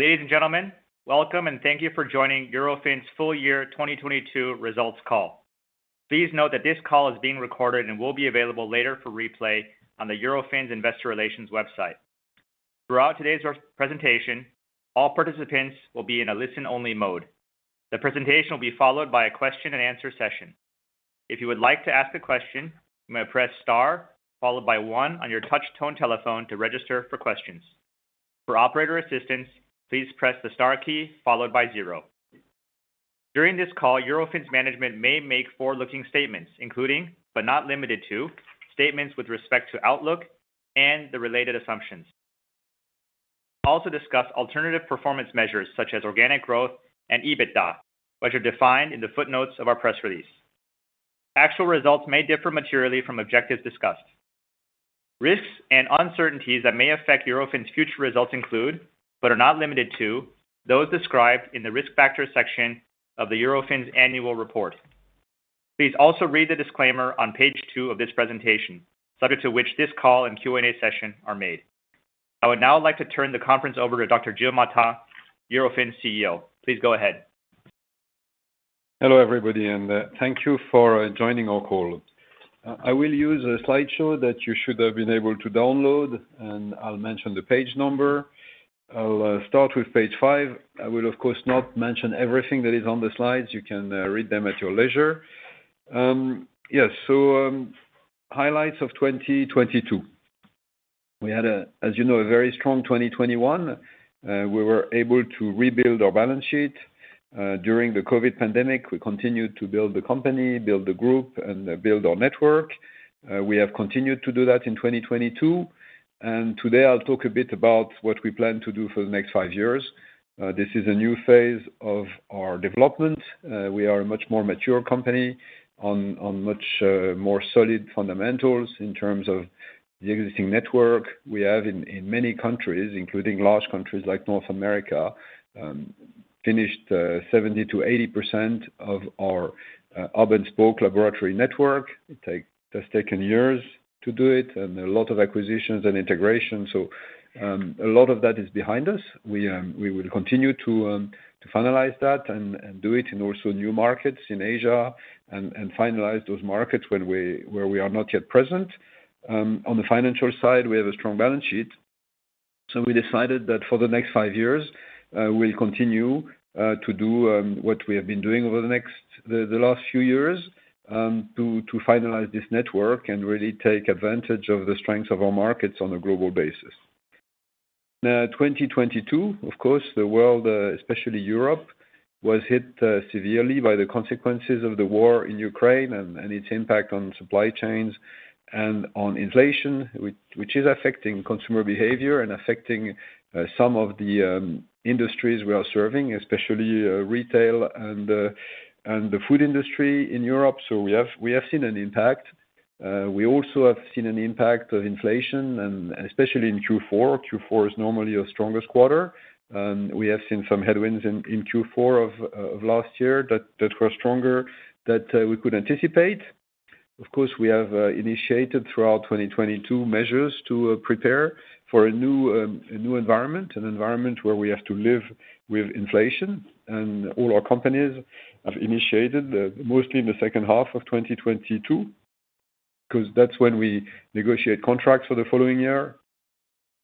Ladies and gentlemen, welcome and thank you for joining Eurofins' full year 2022 results call. Please note that this call is being recorded and will be available later for replay on the Eurofins Investor Relations website. Throughout today's presentation, all participants will be in a listen-only mode. The presentation will be followed by a question-and-answer session. If you would like to ask a question, you may press star followed by one on your touchtone telephone to register for questions. For operator assistance, please press the star key followed by zero. During this call, Eurofins' management may make forward-looking statements including, but not limited to, statements with respect to outlook and the related assumptions. We will also discuss alternative performance measures such as organic growth and EBITDA, which are defined in the footnotes of our press release. Actual results may differ materially from objectives discussed. Risks and uncertainties that may affect Eurofins' future results include, but are not limited to, those described in the Risk Factors section of the Eurofins Annual Report. Please also read the disclaimer on page 2 of this presentation, subject to which this call and Q&A session are made. I would now like to turn the conference over to Dr. Gilles Martin, Eurofins' CEO. Please go ahead. Hello, everybody, and thank you for joining our call. I will use a slideshow that you should have been able to download, and I'll mention the page number. I'll start with page 5. I will, of course, not mention everything that is on the slides. You can read them at your leisure. Yes. Highlights of 2022. We had a, as you know, a very strong 2021. We were able to rebuild our balance sheet. During the COVID pandemic, we continued to build the company, build the group, and build our network. We have continued to do that in 2022, and today I'll talk a bit about what we plan to do for the next five years. This is a new phase of our development. We are a much more mature company on much more solid fundamentals in terms of the existing network. We have in many countries, including large countries like North America, finished 70%-80% of our hub-and-spoke laboratory network. It has taken years to do it and a lot of acquisitions and integration. A lot of that is behind us. We will continue to finalize that and do it in also new markets in Asia and finalize those markets where we are not yet present. On the financial side, we have a strong balance sheet. We decided that for the next five years, we'll continue to do what we have been doing over the last few years, to finalize this network and really take advantage of the strength of our markets on a global basis. 2022, of course, the world, especially Europe, was hit severely by the consequences of the war in Ukraine and its impact on supply chains and on inflation, which is affecting consumer behavior and affecting some of the industries we are serving, especially retail and the food industry in Europe. We have seen an impact. We also have seen an impact of inflation and especially in Q4. Q4 is normally our strongest quarter. We have seen some headwinds in Q4 of last year that were stronger that we could anticipate. Of course, we have initiated throughout 2022 measures to prepare for a new environment, an environment where we have to live with inflation. All our companies have initiated, mostly in the second half of 2022, 'cause that's when we negotiate contracts for the following year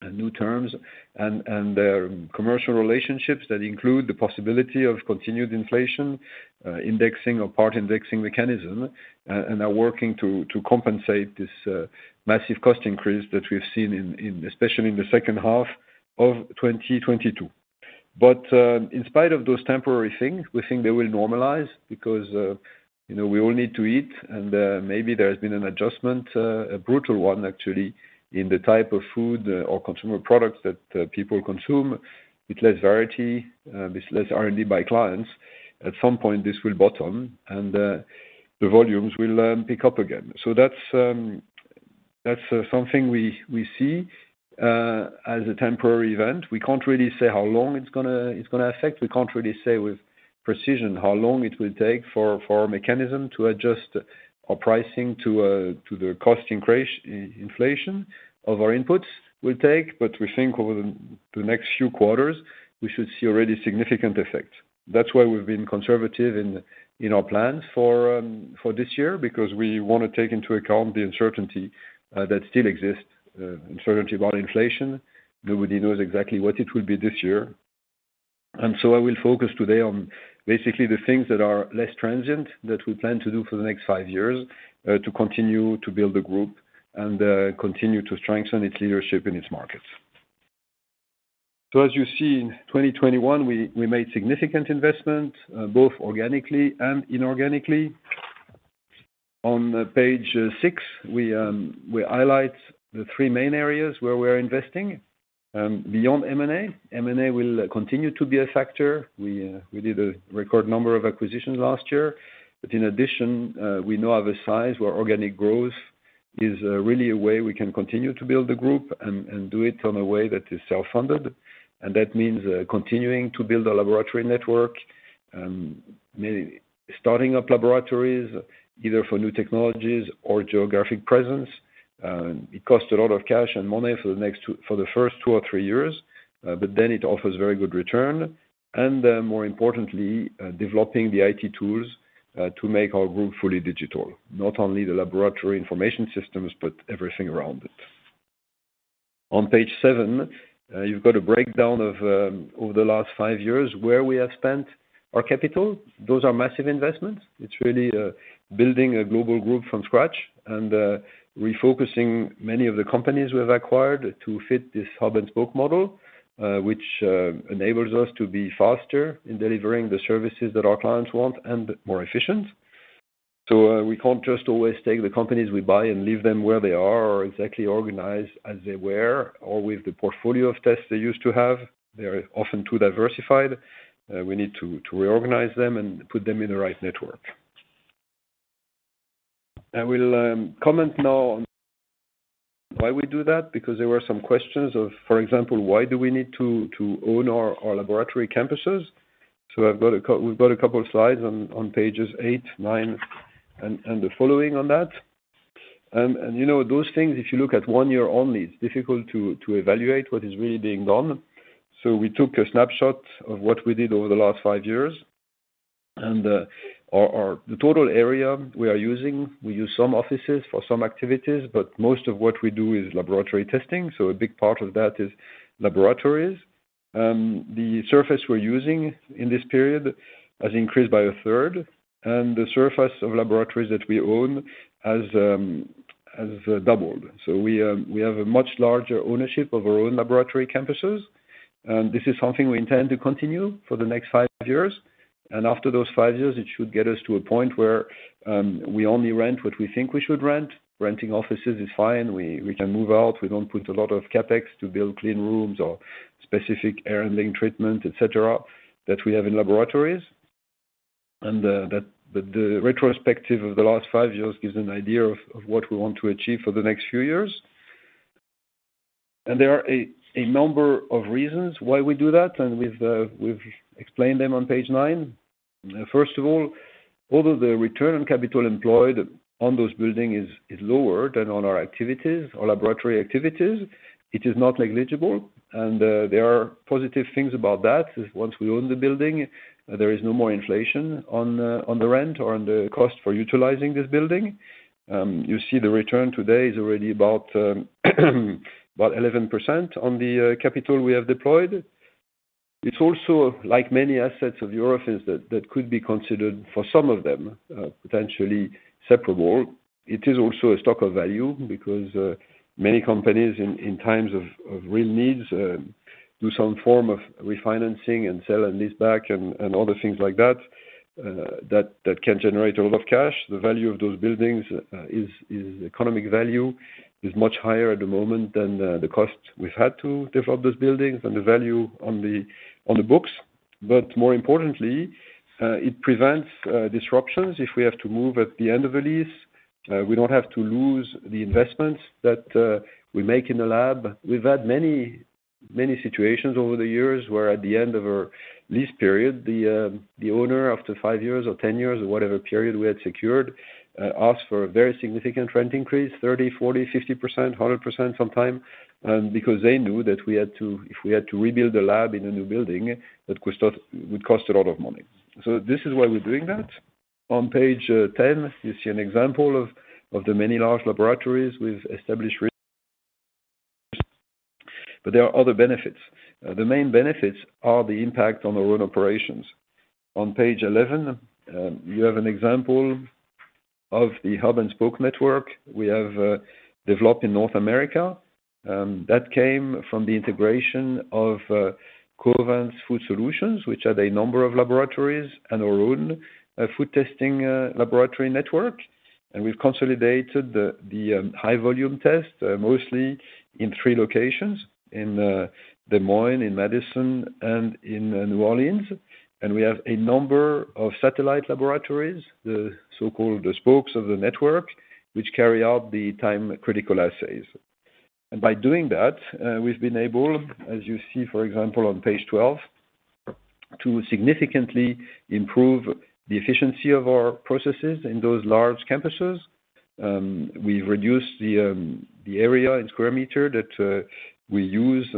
and new terms and their commercial relationships that include the possibility of continued inflation, indexing or part indexing mechanism, and are working to compensate this massive cost increase that we've seen in especially in the second half of 2022. In spite of those temporary things, we think they will normalize because, you know, we all need to eat and maybe there has been an adjustment, a brutal one actually, in the type of food or consumer products that people consume with less variety, with less R&D by clients. At some point, this will bottom and the volumes will pick up again. That's, that's something we see as a temporary event. We can't really say how long it's gonna affect. We can't really say with precision how long it will take for our mechanism to adjust our pricing to the cost inflation of our inputs will take. We think over the next few quarters, we should see already significant effects. That's why we've been conservative in our plans for this year, because we wanna take into account the uncertainty that still exists, uncertainty about inflation. Nobody knows exactly what it will be this year. I will focus today on basically the things that are less transient that we plan to do for the next five years, to continue to build the group and continue to strengthen its leadership in its markets. As you see, in 2021, we made significant investments, both organically and inorganically. On page 6, we highlight the three main areas where we're investing beyond M&A. M&A will continue to be a factor. We did a record number of acquisitions last year. In addition, we now have a size where organic growth is really a way we can continue to build the group and do it in a way that is self-funded. That means continuing to build a laboratory network, maybe starting up laboratories either for new technologies or geographic presence. It costs a lot of cash and money for the first two or three years, it offers very good return. More importantly, developing the IT tools to make our group fully digital, not only the laboratory information systems, but everything around it. On page 7, you've got a breakdown of over the last five years where we have spent our capital. Those are massive investments. It's really building a global group from scratch and refocusing many of the companies we have acquired to fit this hub-and-spoke model, which enables us to be faster in delivering the services that our clients want and more efficient. We can't just always take the companies we buy and leave them where they are or exactly organized as they were or with the portfolio of tests they used to have. They are often too diversified. We need to reorganize them and put them in the right network. I will comment now on why we do that, because there were some questions of, for example, why do we need to own our laboratory campuses? We've got a couple of slides on pages 8, 9 and the following on that. You know, those things, if you look at one year only, it's difficult to evaluate what is really being done. We took a snapshot of what we did over the last five years, and the total area we are using, we use some offices for some activities, but most of what we do is laboratory testing, a big part of that is laboratories. The surface we're using in this period has increased by a third, and the surface of laboratories that we own has doubled. We have a much larger ownership of our own laboratory campuses. This is something we intend to continue for the next five years. After those five years, it should get us to a point where we only rent what we think we should rent. Renting offices is fine. We can move out. We don't put a lot of CapEx to build clean rooms or specific air handling treatment, et cetera, that we have in laboratories. That, the retrospective of the last five years gives an idea of what we want to achieve for the next few years. There are a number of reasons why we do that, and we've explained them on page 9. First of all, although the return on capital employed on those building is lower than on our activities, our laboratory activities, it is not negligible, and there are positive things about that. Once we own the building, there is no more inflation on the rent or on the cost for utilizing this building. You see the return today is already about 11% on the capital we have deployed. It's also, like many assets of Eurofins that could be considered for some of them, potentially separable. It is also a stock of value because many companies in times of real needs do some form of refinancing and sell and lease back and other things like that that can generate a lot of cash. The value of those buildings is economic value, is much higher at the moment than the cost we've had to develop those buildings and the value on the books. More importantly, it prevents disruptions if we have to move at the end of a lease. We don't have to lose the investments that we make in the lab. We've had many, many situations over the years where at the end of a lease period, the owner after five years or 10 years or whatever period we had secured, asked for a very significant rent increase, 30%, 40%, 50%, 100% sometime, because they knew that if we had to rebuild the lab in a new building, it would cost a lot of money. This is why we're doing that. On page 10, you see an example of the many large laboratories we've established recently. There are other benefits. The main benefits are the impact on our own operations. On page 11, you have an example of the hub-and-spoke network we have developed in North America that came from the integration of Covance Food Solutions, which had a number of laboratories and our own food testing laboratory network. We've consolidated the high volume tests mostly in three locations, in Des Moines, in Madison, and in New Orleans. We have a number of satellite laboratories, the so-called the spokes of the network, which carry out the time-critical assays. By doing that, we've been able, as you see, for example, on page 12, to significantly improve the efficiency of our processes in those large campuses. We've reduced the area in square meter that we use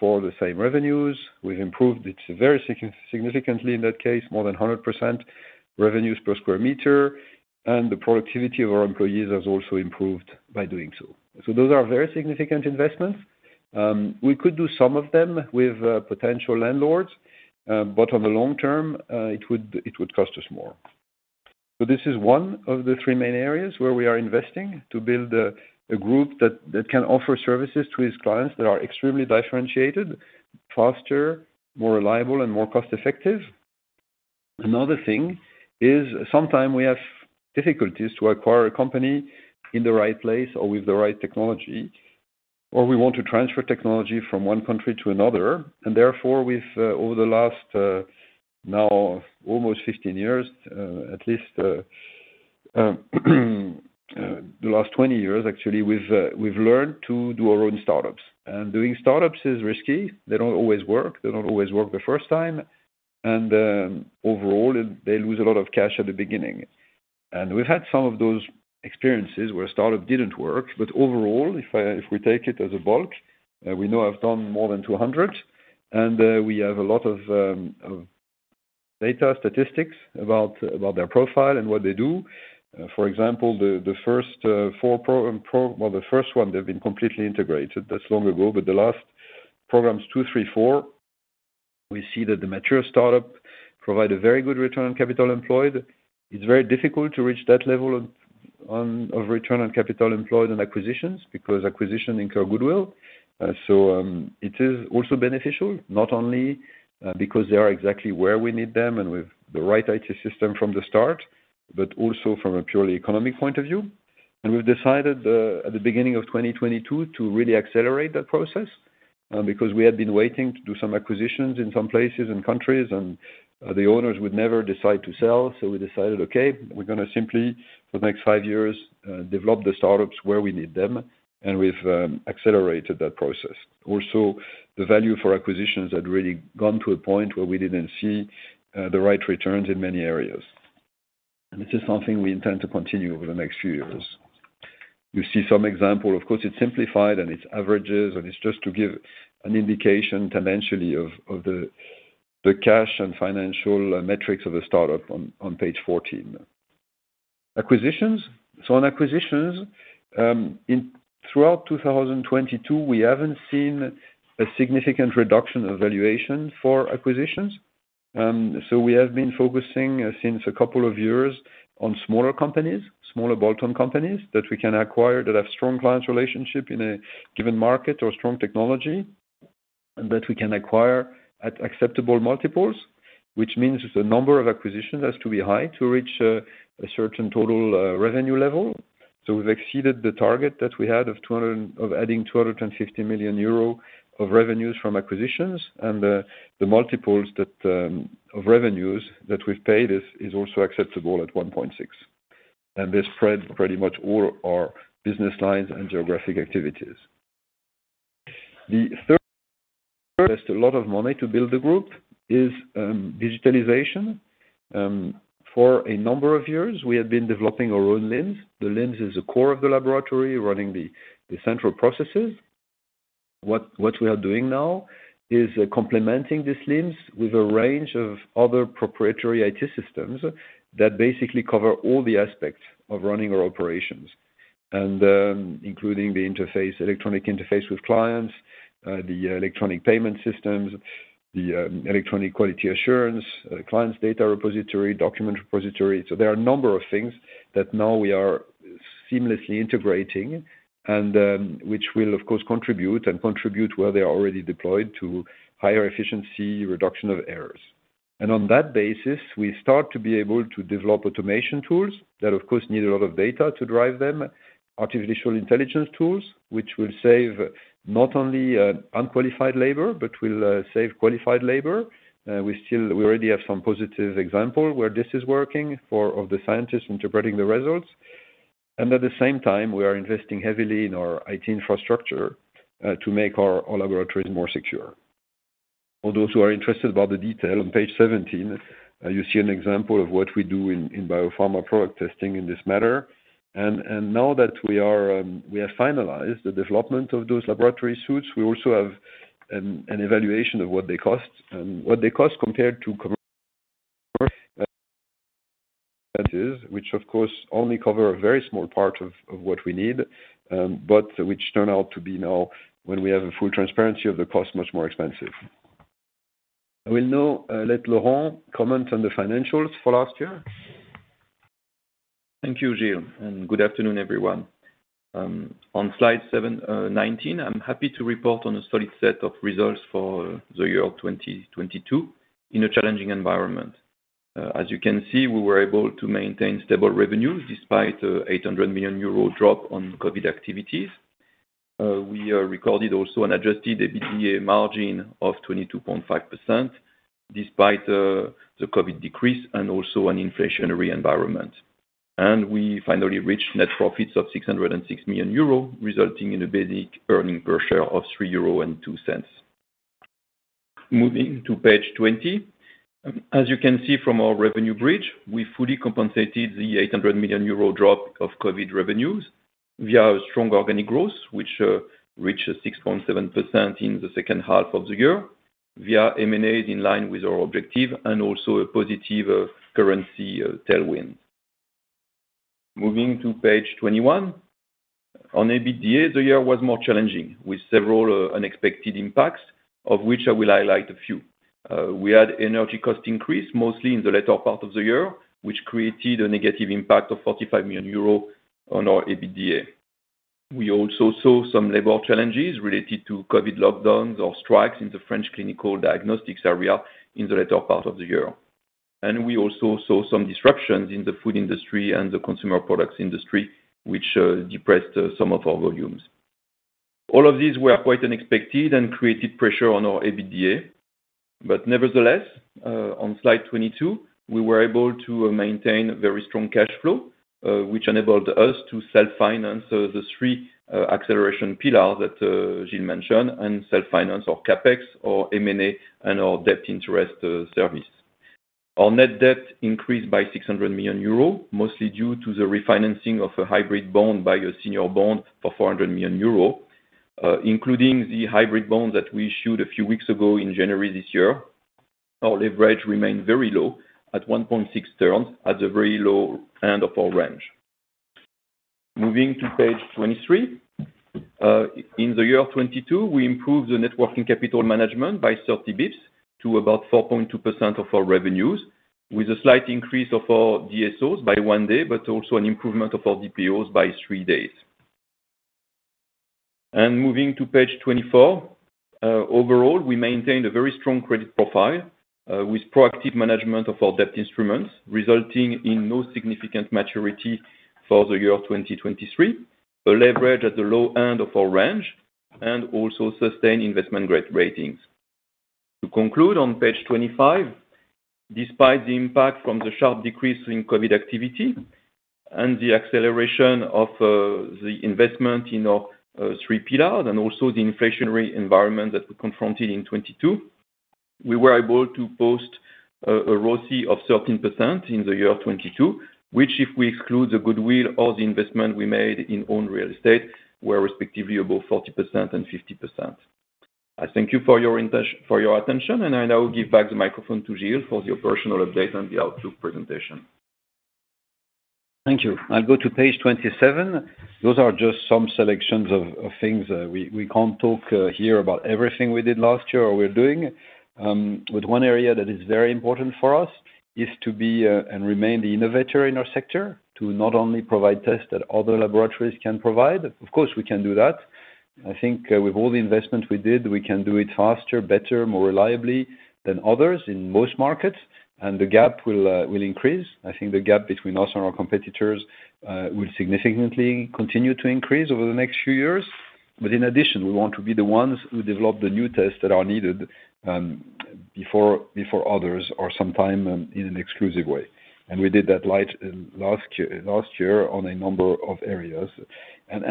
for the same revenues. We've improved it very significantly in that case, more than 100% revenues per square meter, and the productivity of our employees has also improved by doing so. Those are very significant investments. We could do some of them with potential landlords. But on the long term, it would cost us more. This is one of the three main areas where we are investing to build a group that can offer services to its clients that are extremely differentiated, faster, more reliable, and more cost-effective. Another thing is sometime we have difficulties to acquire a company in the right place or with the right technology. We want to transfer technology from one country to another. Therefore, we've over the last now almost 15 years, at least the last 20 years, actually, we've learned to do our own startups. Doing startups is risky. They don't always work. They don't always work the first time. Overall, they lose a lot of cash at the beginning. We've had some of those experiences where a startup didn't work. Overall, if we take it as a bulk, we now have done more than 200, and we have a lot of data statistics about their profile and what they do. For example, the first four well, the first one, they've been completely integrated. That's long ago. The last programs, two, three, four, we see that the mature startup provide a very good return on capital employed. It's very difficult to reach that level of return on capital employed and acquisitions because acquisition incur goodwill. It is also beneficial, not only because they are exactly where we need them and with the right IT system from the start, but also from a purely economic point of view. We've decided at the beginning of 2022 to really accelerate that process because we had been waiting to do some acquisitions in some places and countries, and the owners would never decide to sell. We decided, okay, we're going to simply, for the next five years, develop the startups where we need them, and we've accelerated that process. The value for acquisitions had really gone to a point where we didn't see the right returns in many areas. This is something we intend to continue over the next few years. You see some example. Of course, it's simplified, and it's averages, and it's just to give an indication dimensionally of the cash and financial metrics of the startup on page 14. Acquisitions. On acquisitions, throughout 2022, we haven't seen a significant reduction of valuation for acquisitions. We have been focusing since a couple of years on smaller companies, smaller bolt-on companies that we can acquire that have strong clients relationship in a given market or strong technology, and that we can acquire at acceptable multiples, which means the number of acquisitions has to be high to reach a certain total, revenue level. We've exceeded the target that we had of adding 250 million euro of revenues from acquisitions. The multiples that of revenues that we've paid is also acceptable at 1.6x. They spread pretty much all our business lines and geographic activities. The third, a lot of money to build the group is digitalization. For a number of years, we have been developing our own LIMS. The LIMS is the core of the laboratory running the central processes. What we are doing now is complementing this LIMS with a range of other proprietary IT systems that basically cover all the aspects of running our operations, including the interface, electronic interface with clients, the electronic payment systems, the electronic quality assurance, client's data repository, document repository. There are a number of things that now we are seamlessly integrating and which will of course contribute and contribute where they are already deployed to higher efficiency reduction of errors. On that basis, we start to be able to develop automation tools that of course, need a lot of data to drive them. Artificial intelligence tools, which will save not only unqualified labor, but will save qualified labor. We already have some positive example where this is working for of the scientists interpreting the results. At the same time, we are investing heavily in our IT infrastructure to make all laboratories more secure. For those who are interested about the detail on page 17, you see an example of what we do in BioPharma product testing in this matter. Now that we are, we have finalized the development of those laboratory suites, we also have an evaluation of what they cost. What they cost compared to commercial which, of course, only cover a very small part of what we need, but which turn out to be now when we have a full transparency of the cost, much more expensive. I will now let Laurent comment on the financials for last year. Thank you, Gilles, and good afternoon, everyone. On slide 19, I'm happy to report on a solid set of results for the year 2022 in a challenging environment. As you can see, we were able to maintain stable revenues despite 800 million euro drop on COVID activities. We recorded also an adjusted EBITDA margin of 22.5% despite the COVID decrease and also an inflationary environment. We finally reached net profits of 606 million euro, resulting in a basic earning per share of 3.02 euro. Moving to page 20. As you can see from our revenue bridge, we fully compensated the 800 million euro drop of COVID revenues via strong organic growth, which reached 6.7% in the second half of the year, via M&A in line with our objective and also a positive currency tailwind. Moving to page 21. On EBITDA, the year was more challenging, with several unexpected impacts, of which I will highlight a few. We had energy cost increase mostly in the latter part of the year, which created a negative impact of 45 million euros on our EBITDA. We also saw some labor challenges related to COVID lockdowns or strikes in the French Clinical Diagnostics area in the latter part of the year. We also saw some disruptions in the food industry and the consumer products industry, which depressed some of our volumes. All of these were quite unexpected and created pressure on our EBITDA. Nevertheless, on slide 22, we were able to maintain very strong cash flow, which enabled us to self-finance, the three acceleration pillar that Gilles mentioned, and self-finance our CapEx, our M&A and our debt interest service. Our net debt increased by 600 million euros, mostly due to the refinancing of a hybrid bond by a senior bond for 400 million euros. Including the hybrid bond that we issued a few weeks ago in January this year. Our leverage remained very low at 1.6x at the very low end of our range. Moving to page 23. In the year 2022, we improved the networking capital management by 30 basis points to about 4.2% of our revenues, with a slight increase of our DSOs by one day, but also an improvement of our DPOs by three days. Moving to page 24. Overall, we maintained a very strong credit profile, with proactive management of our debt instruments, resulting in no significant maturity for the year 2023. A leverage at the low end of our range and also sustained investment-grade ratings. To conclude on page 25, despite the impact from the sharp decrease in COVID activity and the acceleration of the investment in our three pillars and also the inflationary environment that we confronted in 2022, we were able to post a ROCE of 13% in the year 2022, which, if we exclude the goodwill or the investment we made in own real estate, were respectively above 40% and 50%. I thank you for your attention, and I now give back the microphone to Gilles for the operational update and the outlook presentation. Thank you. I'll go to page 27. Those are just some selections of things. We can't talk here about everything we did last year or we're doing. One area that is very important for us is to be and remain the innovator in our sector, to not only provide tests that other laboratories can provide. Of course, we can do that. I think with all the investment we did, we can do it faster, better, more reliably than others in most markets, and the gap will increase. I think the gap between us and our competitors will significantly continue to increase over the next few years. In addition, we want to be the ones who develop the new tests that are needed before others, or sometime in an exclusive way. We did that light in last year on a number of areas.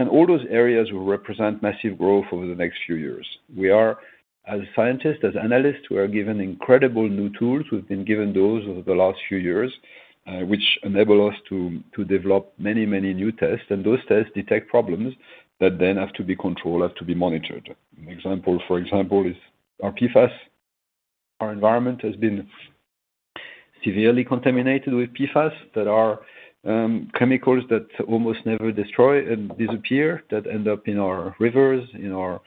All those areas will represent massive growth over the next few years. We are as scientists, as analysts, we are given incredible new tools. We've been given those over the last few years, which enable us to develop many new tests. Those tests detect problems that then have to be controlled, have to be monitored. An example, for example, is our PFAS. Our environment has been severely contaminated with PFAS. That are chemicals that almost never destroy and disappear, that end up in our rivers, in our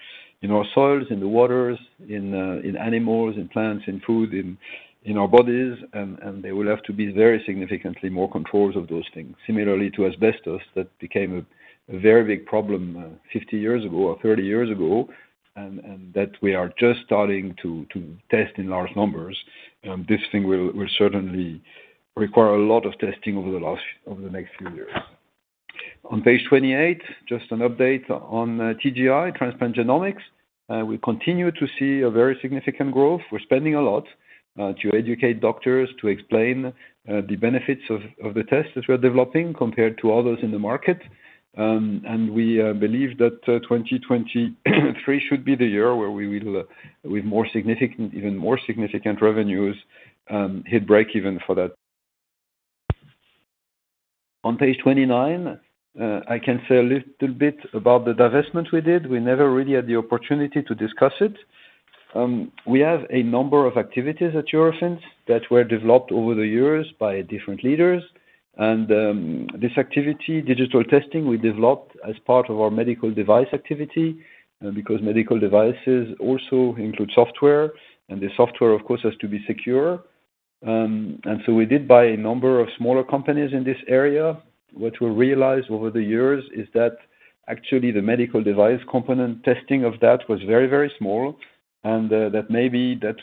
soils, in the waters, in animals and plants, in food, in our bodies. There will have to be very significantly more controls of those things. Similarly to asbestos, that became a very big problem 50 years ago or 30 years ago, and that we are just starting to test in large numbers. This thing will certainly require a lot of testing over the next few years. On page 28, just an update on TGI, Transplant Genomics. We continue to see a very significant growth. We're spending a lot to educate doctors, to explain the benefits of the tests that we're developing compared to others in the market. We believe that 2023 should be the year where we will, with more significant, even more significant revenues, hit breakeven for that. On page 29, I can say a little bit about the divestment we did. We never really had the opportunity to discuss it. We have a number of activities at Eurofins that were developed over the years by different leaders. This activity, digital testing, we developed as part of our medical device activity, because medical devices also include software, and the software, of course, has to be secure. We did buy a number of smaller companies in this area. What we realized over the years is that actually the medical device component testing of that was very, very small, and that maybe that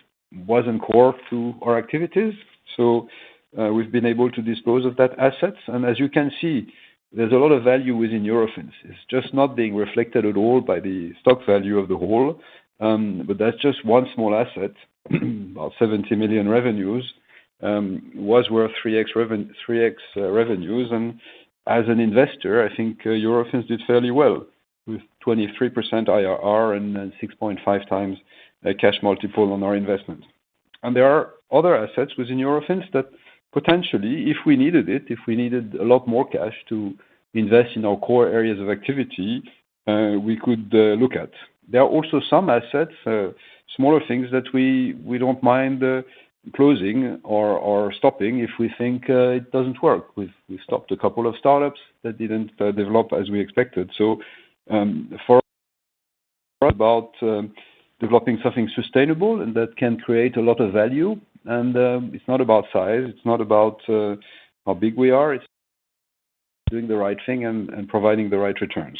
wasn't core to our activities. We've been able to dispose of that asset. As you can see, there's a lot of value within Eurofins. It's just not being reflected at all by the stock value of the whole. But that's just one small asset. About 70 million revenues, was worth 3x revenues. As an investor, I think Eurofins did fairly well with 23% IRR and 6.5x cash multiple on our investment. There are other assets within Eurofins that potentially, if we needed it, if we needed a lot more cash to invest in our core areas of activity, we could look at. There are also some assets, smaller things that we don't mind closing or stopping if we think it doesn't work. We've stopped a couple of startups that didn't develop as we expected. For us, it's about developing something sustainable and that can create a lot of value. It's not about size, it's not about how big we are. Doing the right thing and providing the right returns.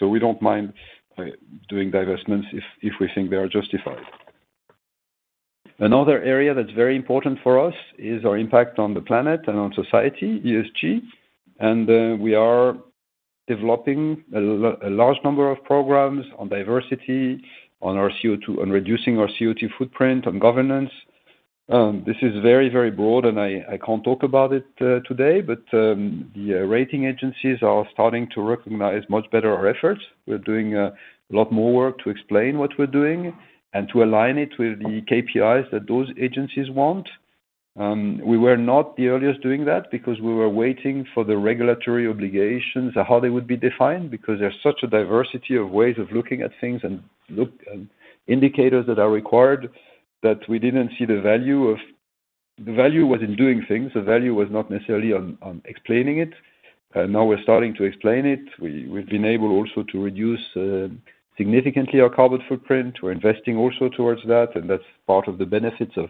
We don't mind doing divestments if we think they are justified. Another area that's very important for us is our impact on the planet and on society, ESG. We are developing a large number of programs on diversity, on reducing our CO₂ footprint, on governance. This is very broad, and I can't talk about it today, but yeah, rating agencies are starting to recognize much better our efforts. We're doing a lot more work to explain what we're doing and to align it with the KPIs that those agencies want. We were not the earliest doing that because we were waiting for the regulatory obligations and how they would be defined because there's such a diversity of ways of looking at things and indicators that are required that we didn't see the value of. The value was in doing things. The value was not necessarily on explaining it. Now we're starting to explain it. We, we've been able also to reduce significantly our carbon footprint. We're investing also towards that, and that's part of the benefits of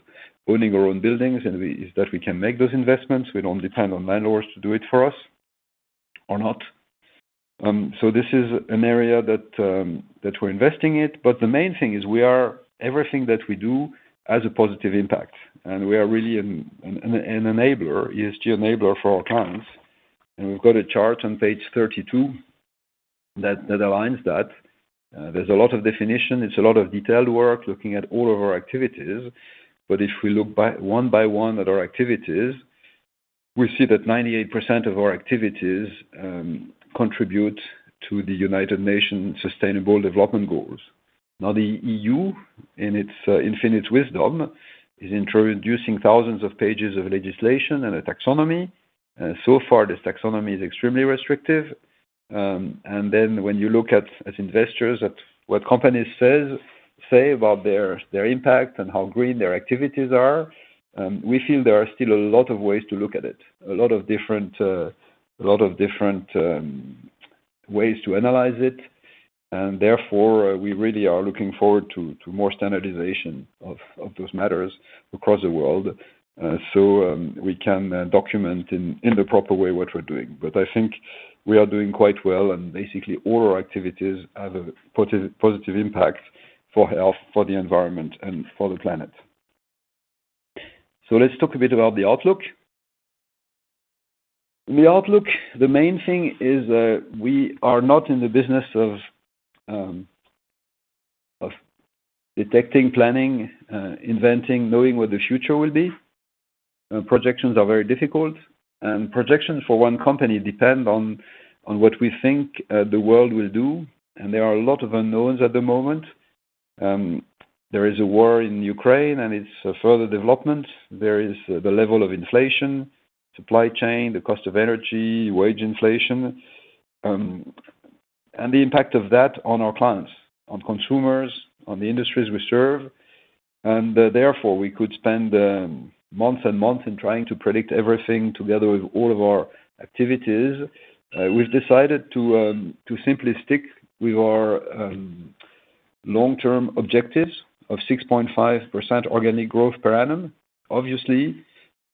owning our own buildings, and is that we can make those investments. We don't depend on landlords to do it for us or not. This is an area that we're investing in. The main thing is everything that we do has a positive impact, and we are really an ESG enabler for our clients. We've got a chart on page 32 that aligns that. There's a lot of definition. It's a lot of detailed work looking at all of our activities. If we look one by one at our activities, we see that 98% of our activities contribute to the United Nations Sustainable Development Goals. The EU, in its infinite wisdom, is introducing thousands of pages of legislation and a taxonomy. So far this taxonomy is extremely restrictive. Then when you look at, as investors, at what companies say about their impact and how green their activities are, we feel there are still a lot of ways to look at it, a lot of different, a lot of different ways to analyze it. Therefore, we really are looking forward to more standardization of those matters across the world, so we can document in the proper way what we're doing. I think we are doing quite well, and basically all our activities have a positive impact for health, for the environment, and for the planet. Let's talk a bit about the outlook. The outlook, the main thing is that we are not in the business of detecting, planning, inventing, knowing what the future will be. Projections are very difficult. Projections for one company depend on what we think the world will do, and there are a lot of unknowns at the moment. There is a war in Ukraine, and its further development. There is the level of inflation, supply chain, the cost of energy, wage inflation, and the impact of that on our clients, on consumers, on the industries we serve. We could spend months and months in trying to predict everything together with all of our activities. We've decided to simply stick with our long-term objectives of 6.5% organic growth per annum. Obviously,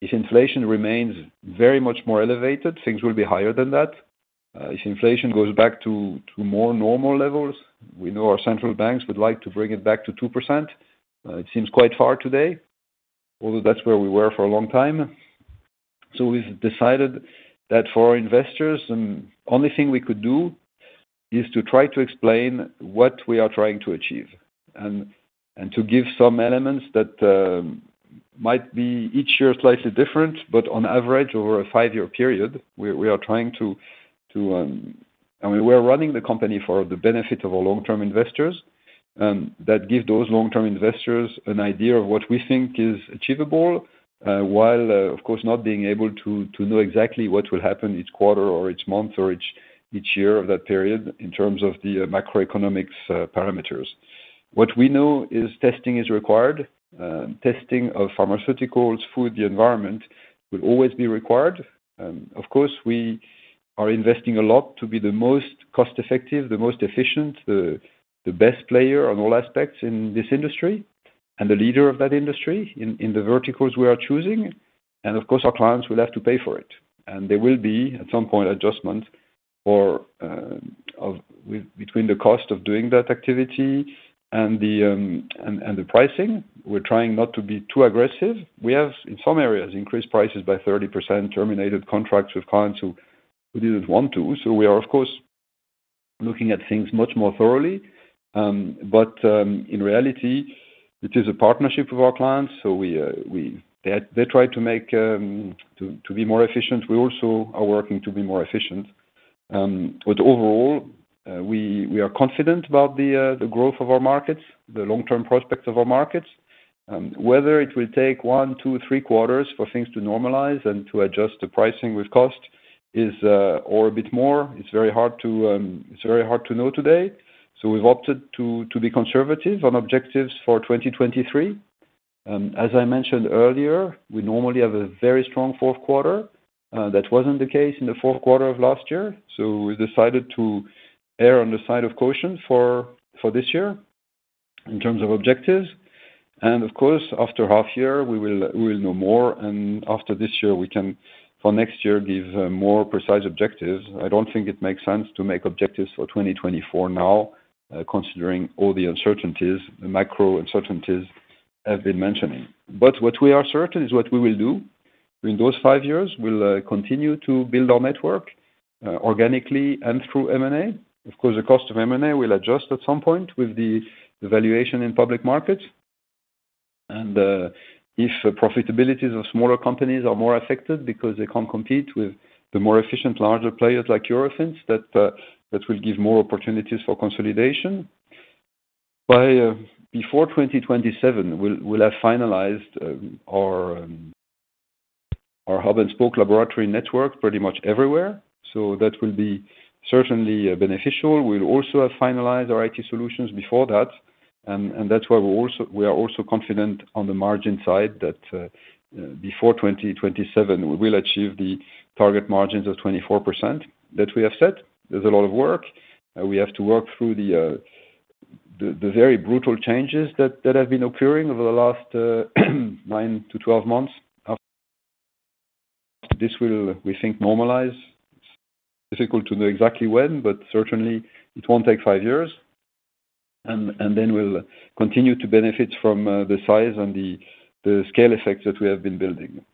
if inflation remains very much more elevated, things will be higher than that. If inflation goes back to more normal levels, we know our central banks would like to bring it back to 2%. It seems quite far today, although that's where we were for a long time. We've decided that for our investors, only thing we could do is to try to explain what we are trying to achieve and to give some elements that might be each year slightly different, but on average, over a five-year period, we are trying to... I mean, we're running the company for the benefit of our long-term investors. That give those long-term investors an idea of what we think is achievable, while, of course, not being able to know exactly what will happen each quarter or each month or each year of that period in terms of the macroeconomics parameters. What we know is testing is required. Testing of pharmaceuticals, food, the environment will always be required. Of course, we are investing a lot to be the most cost-effective, the most efficient, the best player on all aspects in this industry and the leader of that industry in the verticals we are choosing. Of course, our clients will have to pay for it. There will be, at some point, adjustment for between the cost of doing that activity and the pricing. We're trying not to be too aggressive. We have, in some areas, increased prices by 30%, terminated contracts with clients who didn't want to. We are, of course, looking at things much more thoroughly. In reality, it is a partnership with our clients. We They try to make to be more efficient. We also are working to be more efficient. Overall, we are confident about the growth of our markets, the long-term prospects of our markets. Whether it will take one, two, three quarters for things to normalize and to adjust the pricing with cost is or a bit more, it's very hard to know today. We've opted to be conservative on objectives for 2023. As I mentioned earlier, we normally have a very strong fourth quarter. That wasn't the case in the fourth quarter of last year. We decided to err on the side of caution for this year. In terms of objectives. After half year, we will know more. After this year, we can for next year give more precise objectives. I don't think it makes sense to make objectives for 2024 now, considering all the uncertainties, the macro uncertainties I've been mentioning. What we are certain is what we will do in those five years, we'll continue to build our network organically and through M&A. Of course, the cost of M&A will adjust at some point with the valuation in public markets. If profitabilities of smaller companies are more affected because they can't compete with the more efficient larger players like Eurofins, that will give more opportunities for consolidation. Before 2027, we'll have finalized our hub-and-spoke laboratory network pretty much everywhere. That will be certainly beneficial. We'll also have finalized our IT solutions before that, and that's why we are also confident on the margin side that, before 2027 we will achieve the target margins of 24% that we have set. There's a lot of work. We have to work through the very brutal changes that have been occurring over the last nine to 12 months. After this will, we think, normalize. It's difficult to know exactly when, but certainly it won't take five years. We'll continue to benefit from the size and the scale effects that we have been building.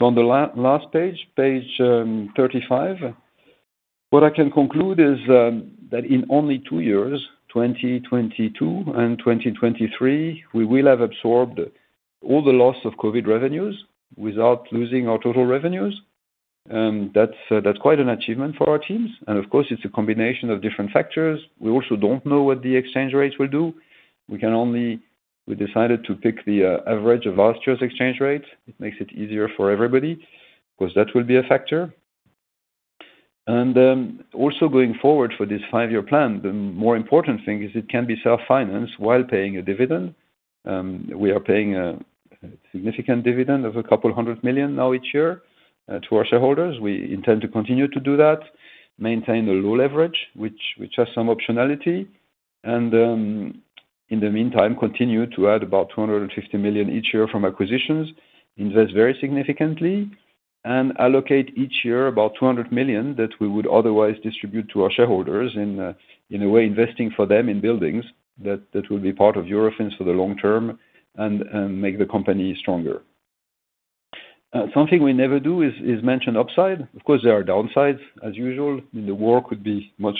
On the last page, 35, what I can conclude is that in only two years, 2022 and 2023, we will have absorbed all the loss of COVID revenues without losing our total revenues. That's quite an achievement for our teams. Of course it's a combination of different factors. We also don't know what the exchange rates will do. We decided to pick the average of last year's exchange rate. It makes it easier for everybody, 'cause that will be a factor. Also going forward for this five-year plan, the more important thing is it can be self-financed while paying a dividend. We are paying a significant dividend of 200 million now each year to our shareholders. We intend to continue to do that, maintain a low leverage, which has some optionality, in the meantime, continue to add about 250 million each year from acquisitions, invest very significantly, and allocate each year about 200 million that we would otherwise distribute to our shareholders in a way investing for them in buildings that will be part of Eurofins for the long term and make the company stronger. Something we never do is mention upside. Of course, there are downsides as usual. The war could be much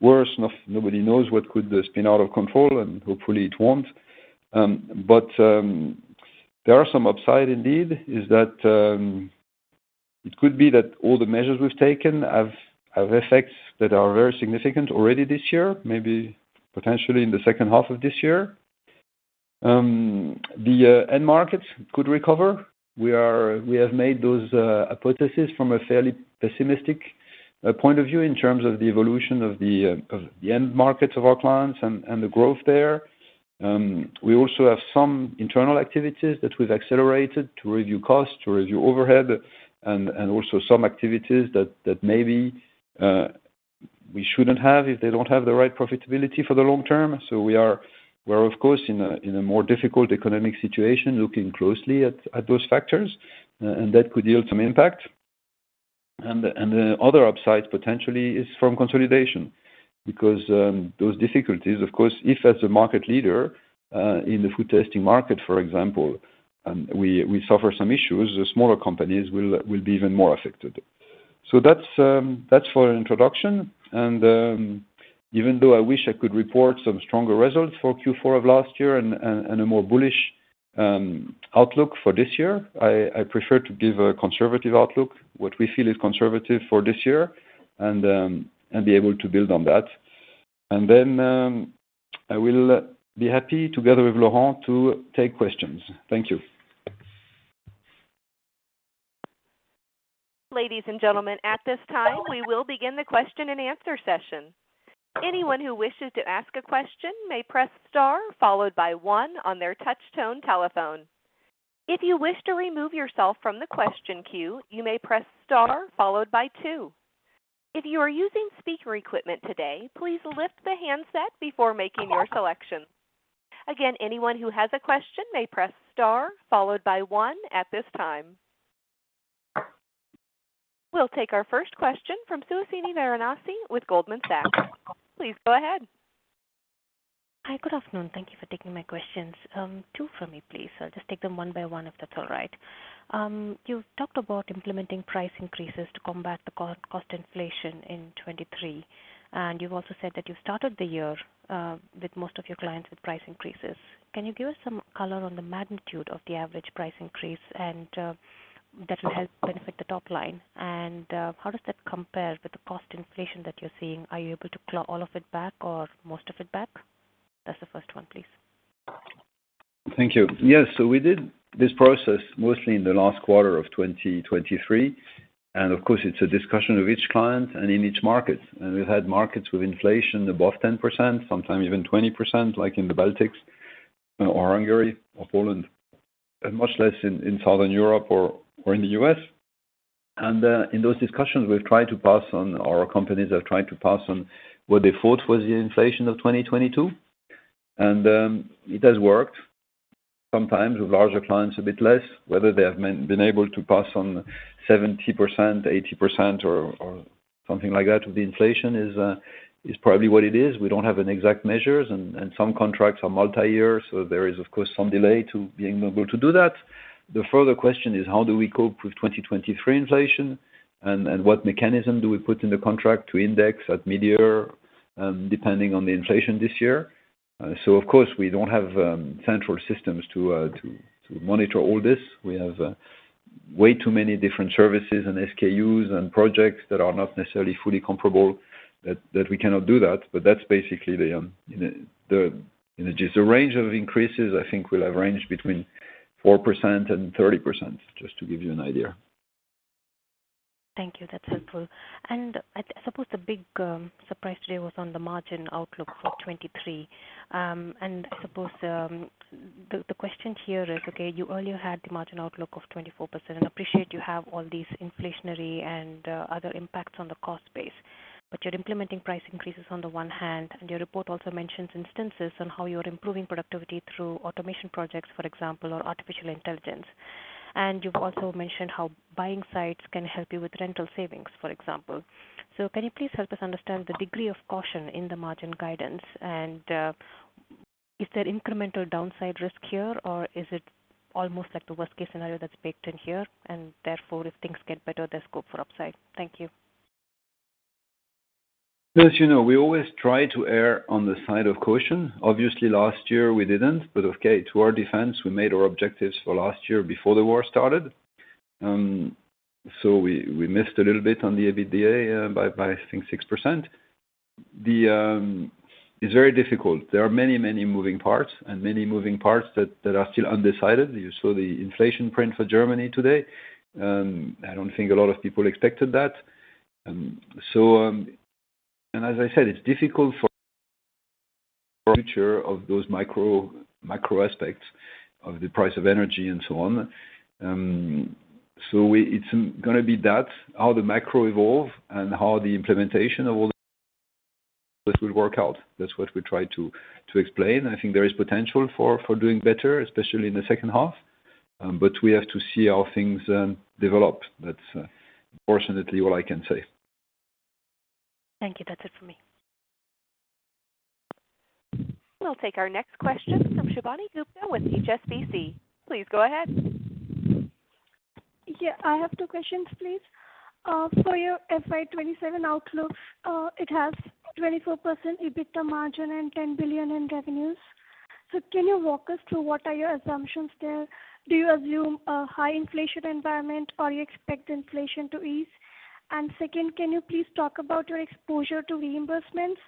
worse. Nobody knows what could spin out of control, and hopefully it won't. There are some upside indeed, is that it could be that all the measures we've taken have effects that are very significant already this year, maybe potentially in the second half of this year. The end markets could recover. We have made those hypothesis from a fairly pessimistic point of view in terms of the evolution of the end markets of our clients and the growth there. We also have some internal activities that we've accelerated to review costs, to review overhead and also some activities that maybe we shouldn't have if they don't have the right profitability for the long term. We are, we're of course, in a, in a more difficult economic situation, looking closely at those factors, and that could yield some impact. The other upside potentially is from consolidation, because those difficulties, of course, if as a market leader in the food testing market, for example, and we suffer some issues, the smaller companies will be even more affected. That's that's for introduction. Even though I wish I could report some stronger results for Q4 of last year and a more bullish outlook for this year, I prefer to give a conservative outlook, what we feel is conservative for this year and be able to build on that. Then I will be happy together with Laurent to take questions. Thank you. Ladies and gentlemen, at this time, we will begin the question and answer session. Anyone who wishes to ask a question may press star followed by one on their touch tone telephone. If you wish to remove yourself from the question queue, you may press star followed by two. If you are using speaker equipment today, please lift the handset before making your selection. Again, anyone who has a question may press star followed by one at this time. We'll take our first question from Suhasini Varanasi with Goldman Sachs. Please go ahead. Hi. Good afternoon. Thank you for taking my questions. Two for me, please. I'll just take them one by one, if that's all right. you talked about implementing price increases to combat the cost inflation in 2023, and you've also said that you started the year with most of your clients with price increases. Can you give us some color on the magnitude of the average price increase and that will help benefit the top line? How does that compare with the cost inflation that you're seeing? Are you able to claw all of it back or most of it back? That's the first one, please. Thank you. Yes. we did this process mostly in the last quarter of 2023. of course it's a discussion of each client and in each market. We've had markets with inflation above 10%, sometimes even 20%, like in the Baltic, or Hungary or Poland, and much less in Southern Europe or in the U.S. In those discussions, we've tried to pass on or our companies have tried to pass on what they thought was the inflation of 2022. It has worked sometimes with larger clients a bit less, whether they have been able to pass on 70%, 80% or something like that. The inflation is probably what it is. We don't have an exact measures, and some contracts are multi-year, so there is of course, some delay to being able to do that. The further question is, how do we cope with 2023 inflation? What mechanism do we put in the contract to index at midyear, depending on the inflation this year? Of course, we don't have central systems to monitor all this. We have way too many different services and SKUs and projects that are not necessarily fully comparable, that we cannot do that. That's basically the range of increases. I think we'll have range between 4% and 30%, just to give you an idea. Thank you. That's helpful. I suppose the big surprise today was on the margin outlook for 2023. I suppose the question here is, okay, you earlier had the margin outlook of 24%, and appreciate you have all these inflationary and other impacts on the cost base. You're implementing price increases on the one hand, and your report also mentions instances on how you're improving productivity through automation projects, for example, or artificial intelligence. You've also mentioned how buying sites can help you with rental savings, for example. Can you please help us understand the degree of caution in the margin guidance? Is there incremental downside risk here, or is it almost like the worst case scenario that's baked in here, and therefore, if things get better, there's scope for upside? Thank you. As you know, we always try to err on the side of caution. Obviously, last year we didn't, but okay, to our defense, we made our objectives for last year before the war started. We missed a little bit on the EBITDA by I think 6%. It's very difficult. There are many moving parts and many moving parts that are still undecided. You saw the inflation print for Germany today. I don't think a lot of people expected that. As I said, it's difficult for future of those micro aspects of the price of energy and so on. It's gonna be that, how the macro evolve and how the implementation of all this will work out. That's what we try to explain. I think there is potential for doing better, especially in the second half. We have to see how things develop. That's, unfortunately all I can say. Thank you. That's it for me. We'll take our next question from Shivani Gupta with HSBC. Please go ahead. Yeah, I have two questions, please. For your FY 2027 outlook, it has 24% EBITDA margin and 10 billion in revenues. Can you walk us through what are your assumptions there? Do you assume a high inflation environment, or you expect inflation to ease? Second, can you please talk about your exposure to reimbursements?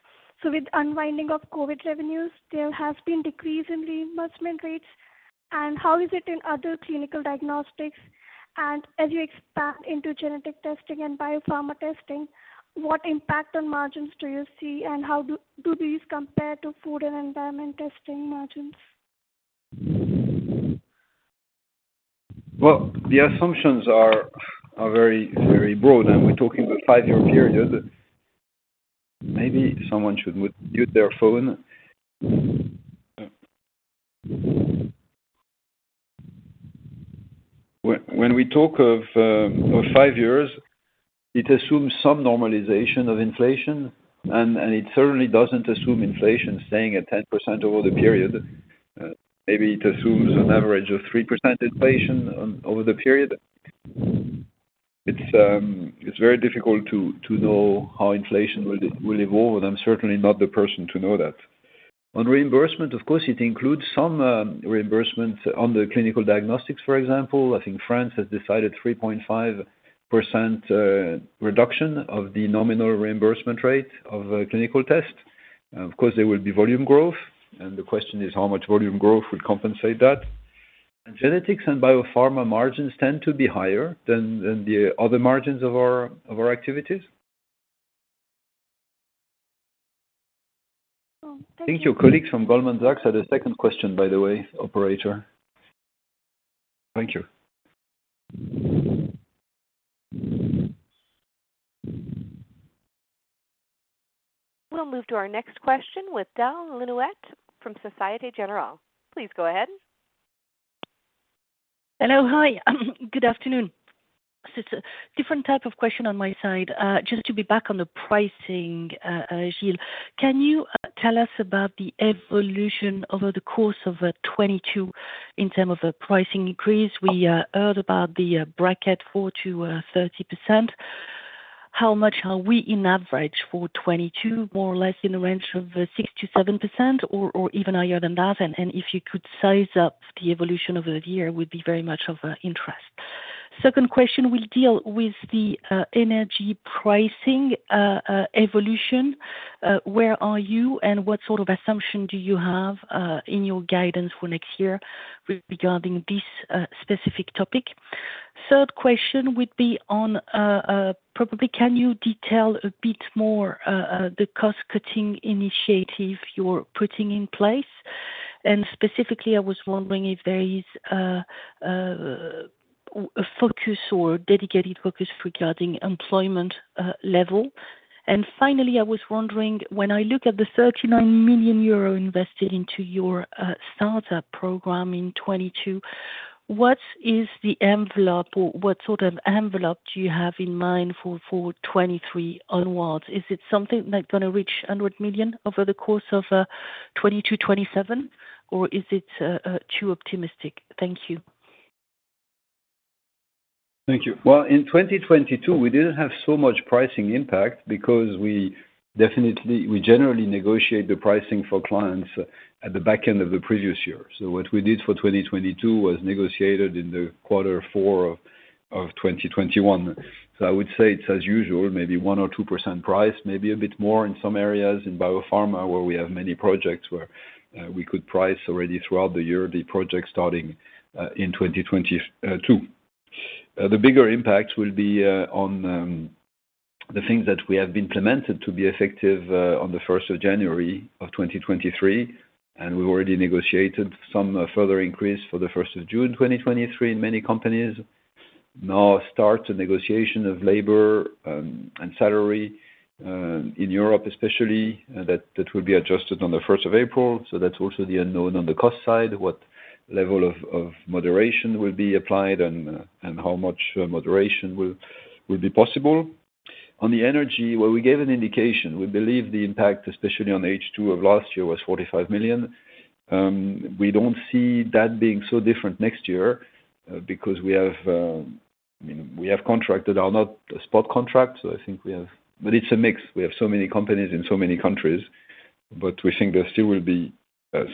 With unwinding of COVID revenues, there has been decrease in reimbursement rates. How is it in other Clinical Diagnostics? As you expand into genetic testing and BioPharma testing, what impact on margins do you see, and how do these compare to food and environment testing margins? Well, the assumptions are very, very broad, and we're talking about five-year period. Maybe someone should mute their phone. When we talk of five years, it assumes some normalization of inflation, and it certainly doesn't assume inflation staying at 10% over the period. Maybe it assumes an average of 3% inflation over the period. It's very difficult to know how inflation will evolve, and I'm certainly not the person to know that. On reimbursement, of course, it includes some reimbursement on the Clinical Diagnostics, for example. I think France has decided 3.5% reduction of the nominal reimbursement rate of a clinical test. Of course, there will be volume growth, and the question is how much volume growth would compensate that. Genetics and BioPharma margins tend to be higher than the other margins of our activities. Oh, thank you. I think your colleague from Goldman Sachs had a second question, by the way, operator. Thank you. We'll move to our next question with Del Le Louët from Société Générale. Please go ahead. Hello. Hi. Good afternoon. It's a different type of question on my side. Just to be back on the pricing, Gilles. Can you tell us about the evolution over the course of 2022 in term of a pricing increase? We heard about the bracket 4%-30%. How much are we in average for 2022, more or less in the range of 6%-7% or even higher than that? If you could size up the evolution over the year would be very much of interest. Second question will deal with the energy pricing evolution. Where are you, and what sort of assumption do you have in your guidance for next year regarding this specific topic? Third question would be on, probably can you detail a bit more the cost-cutting initiative you're putting in place? Specifically, I was wondering if there is a focus or dedicated focus regarding employment level. Finally, I was wondering, when I look at the 39 million euro invested into your startup program in 2022, what is the envelope or what sort of envelope do you have in mind for 2023 onwards? Is it something that gonna reach 100 million over the course of 2020-2027? Or is it too optimistic? Thank you. Thank you. Well, in 2022, we didn't have so much pricing impact because we generally negotiate the pricing for clients at the back end of the previous year. What we did for 2022 was negotiated in the quarter four of 2021. I would say it's as usual, maybe 1% or 2% price, maybe a bit more in some areas in BioPharma, where we have many projects where we could price already throughout the year, the project starting in 2022. The bigger impact will be on the things that we have implemented to be effective on the first of January 2023, we've already negotiated some further increase for the first of June 2023 in many companies. Now start the negotiation of labor, and salary, in Europe, especially, that will be adjusted on the 1st of April. That's also the unknown on the cost side, what level of moderation will be applied and how much moderation will be possible. On the energy, well, we gave an indication. We believe the impact, especially on H2 of last year, was 45 million. We don't see that being so different next year, because we have, we have contracted our not spot contract, so I think we have... It's a mix. We have so many companies in so many countries. We think there still will be,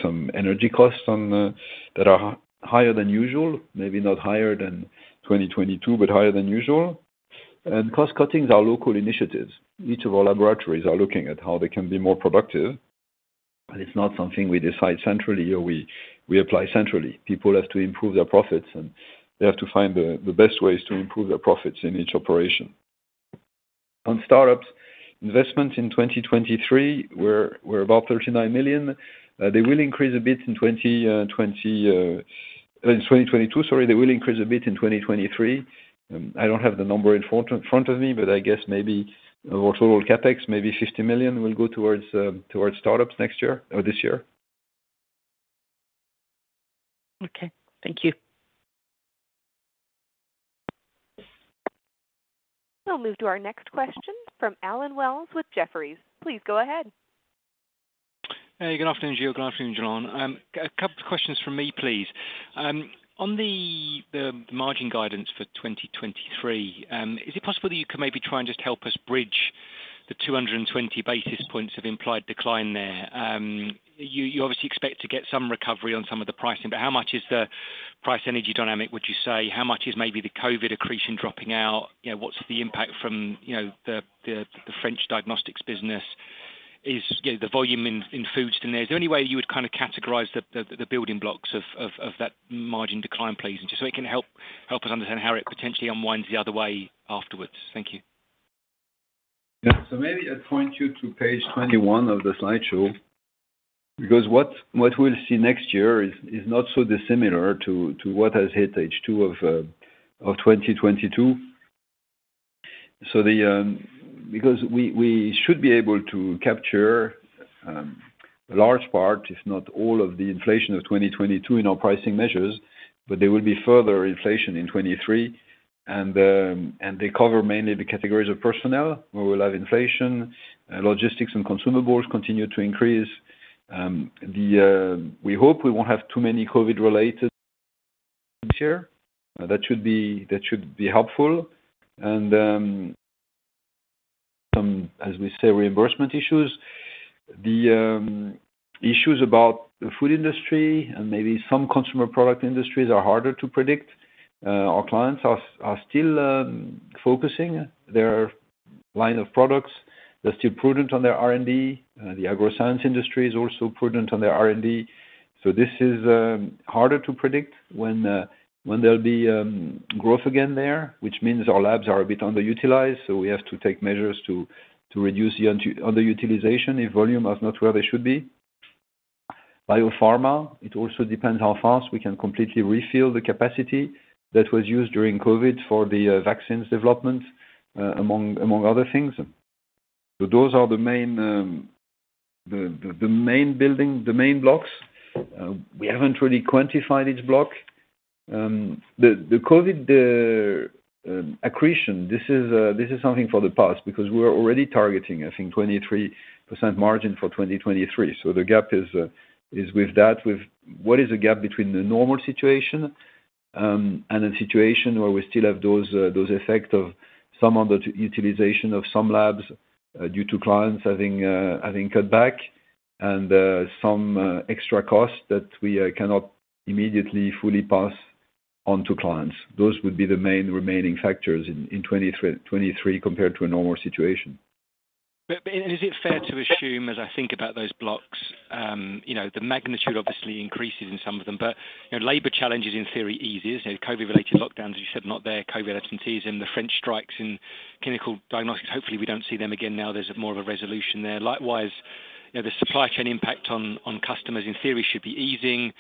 some energy costs that are higher than usual, maybe not higher than 2022, but higher than usual. Cost-cuttings are local initiatives. Each of our laboratories are looking at how they can be more productive. It's not something we decide centrally or we apply centrally. People have to improve their profits, and they have to find the best ways to improve their profits in each operation. On startups, investments in 2023 were about 39 million. They will increase a bit in 2022, sorry. They will increase a bit in 2023. I don't have the number in front of me, but I guess maybe of our total CapEx, maybe 50 million will go towards startups next year or this year. Okay. Thank you. We'll move to our next question from Allen Wells with Jefferies. Please go ahead. Hey, good afternoon, Gilles. Good afternoon, Jean. A couple questions from me, please. On the margin guidance for 2023, is it possible that you could maybe try and just help us bridge the 220 basis points of implied decline there? You, you obviously expect to get some recovery on some of the pricing, but how much is the price energy dynamic, would you say? How much is maybe the COVID accretion dropping out? You know, what's the impact from, you know, the, the French diagnostics business? Is, you know, the volume in foods in there? Is there any way you would kinda categorize the, the building blocks of, of that margin decline, please? Just so it can help us understand how it potentially unwinds the other way afterwards. Thank you. Yeah. Maybe I'd point you to page 21 of the slideshow, because what we'll see next year is not so dissimilar to what has hit H2 of 2022. Because we should be able to capture large part, if not all of the inflation of 2022 in our pricing measures, but there will be further inflation in 2023. They cover mainly the categories of personnel, where we'll have inflation, logistics and consumables continue to increase. We hope we won't have too many COVID-related here. That should be helpful. Some, as we say, reimbursement issues. The issues about the food industry and maybe some consumer product industries are harder to predict. Our clients are still focusing their line of products. They're still prudent on their R&D. The agroscience industry is also prudent on their R&D. This is harder to predict when there'll be growth again there, which means our labs are a bit underutilized, so we have to take measures to reduce the underutilization if volume is not where they should be. BioPharma. It also depends how fast we can completely refill the capacity that was used during COVID for the vaccines development among other things. Those are the main building, the main blocks. We haven't really quantified each block. The COVID accretion, this is something for the past because we're already targeting, I think, 23% margin for 2023. The gap is with that, with what is the gap between the normal situation, and a situation where we still have those effect of some underutilization of some labs, due to clients having cut back and, some extra costs that we cannot immediately fully pass on to clients. Those would be the main remaining factors in 2023 compared to a normal situation. Is it fair to assume as I think about those blocks, you know, the magnitude obviously increases in some of them, but, you know, labor challenges in theory eases. You know, COVID related lockdowns, as you said, not there, COVID latencies and the French strikes in Clinical Diagnostics. Hopefully we don't see them again now. There's more of a resolution there. Likewise, you know, the supply chain impact on customers in theory should be easing.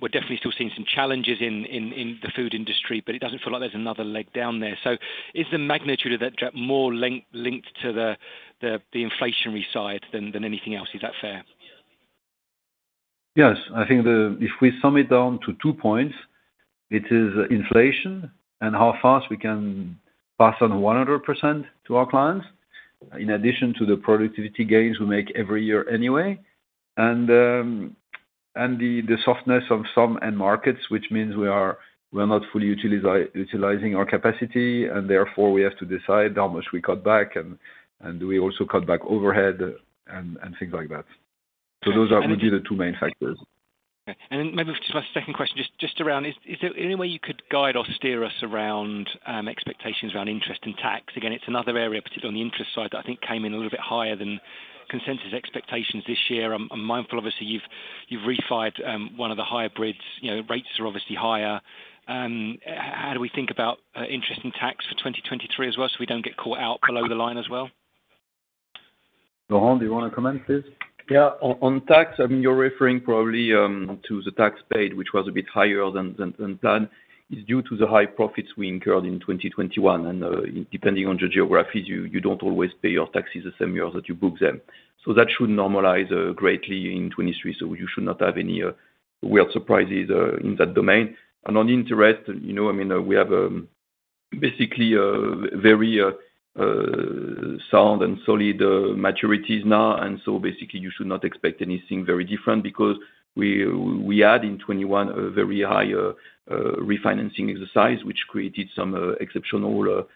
We're definitely still seeing some challenges in the food industry, but it doesn't feel like there's another leg down there. Is the magnitude of that drop more linked to the inflationary side than anything else? Is that fair? Yes. I think the... If we sum it down to two points, it is inflation and how fast we can pass on 100% to our clients. In addition to the productivity gains we make every year anyway. The softness of some end markets, which means we're not fully utilizing our capacity, and therefore we have to decide how much we cut back and we also cut back overhead and things like that. Those are would be the two main factors. Maybe just my second question, just around, is there any way you could guide or steer us around expectations around interest in tax? Again, it's another area, particularly on the interest side, that I think came in a little bit higher than consensus expectations this year. I'm mindful obviously you've refied one of the hybrids, you know, rates are obviously higher. How do we think about interest in tax for 2023 as well, so we don't get caught out below the line as well? Laurent, do you wanna comment, please? Yeah. On tax, I mean, you're referring probably to the tax paid, which was a bit higher than planned. It's due to the high profits we incurred in 2021. Depending on the geographies, you don't always pay your taxes the same year that you book them. That should normalize greatly in 2023. You should not have any weird surprises in that domain. On interest, you know, I mean, we have basically a very sound and solid maturities now. Basically you should not expect anything very different because we had in 2021 a very high refinancing exercise, which created some exceptional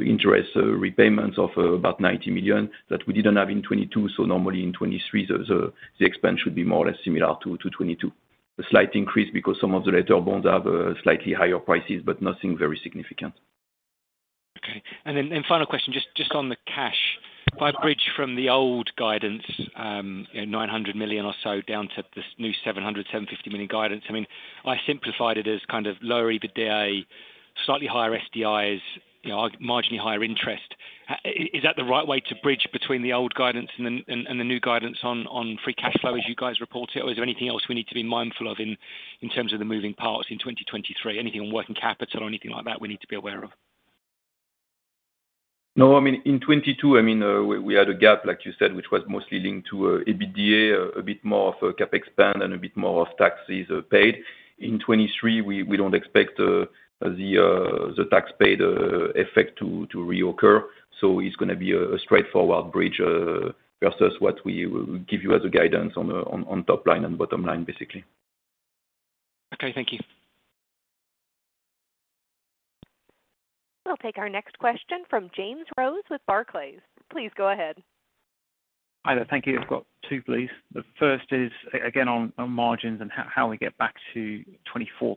interest repayments of about 90 million that we didn't have in 2022. Normally in 2023 the expense should be more or less similar to 2022. A slight increase because some of the later bonds have slightly higher prices, but nothing very significant. Okay. Final question, just on the cash. If I bridge from the old guidance, you know, 900 million or so down to this new 700 million-750 million guidance, I mean, I simplified it as kind of lower EBITDA, slightly higher SDIs, you know, marginally higher interest. Is that the right way to bridge between the old guidance and the new guidance on free cash flow as you guys report it? Is there anything else we need to be mindful of in terms of the moving parts in 2023? Anything on working capital or anything like that we need to be aware of? No. I mean, in 2022, I mean, we had a gap, like you said, which was mostly linked to EBITDA, a bit more of a CapEx spend and a bit more of taxes paid. In 2023, we don't expect the tax paid effect to reoccur. It's gonna be a straightforward bridge versus what we will give you as a guidance on top line and bottom line, basically. Okay, thank you. We'll take our next question from James Rose with Barclays. Please go ahead. Hi there. Thank you. I've got two, please. The first is again on margins and how we get back to 24%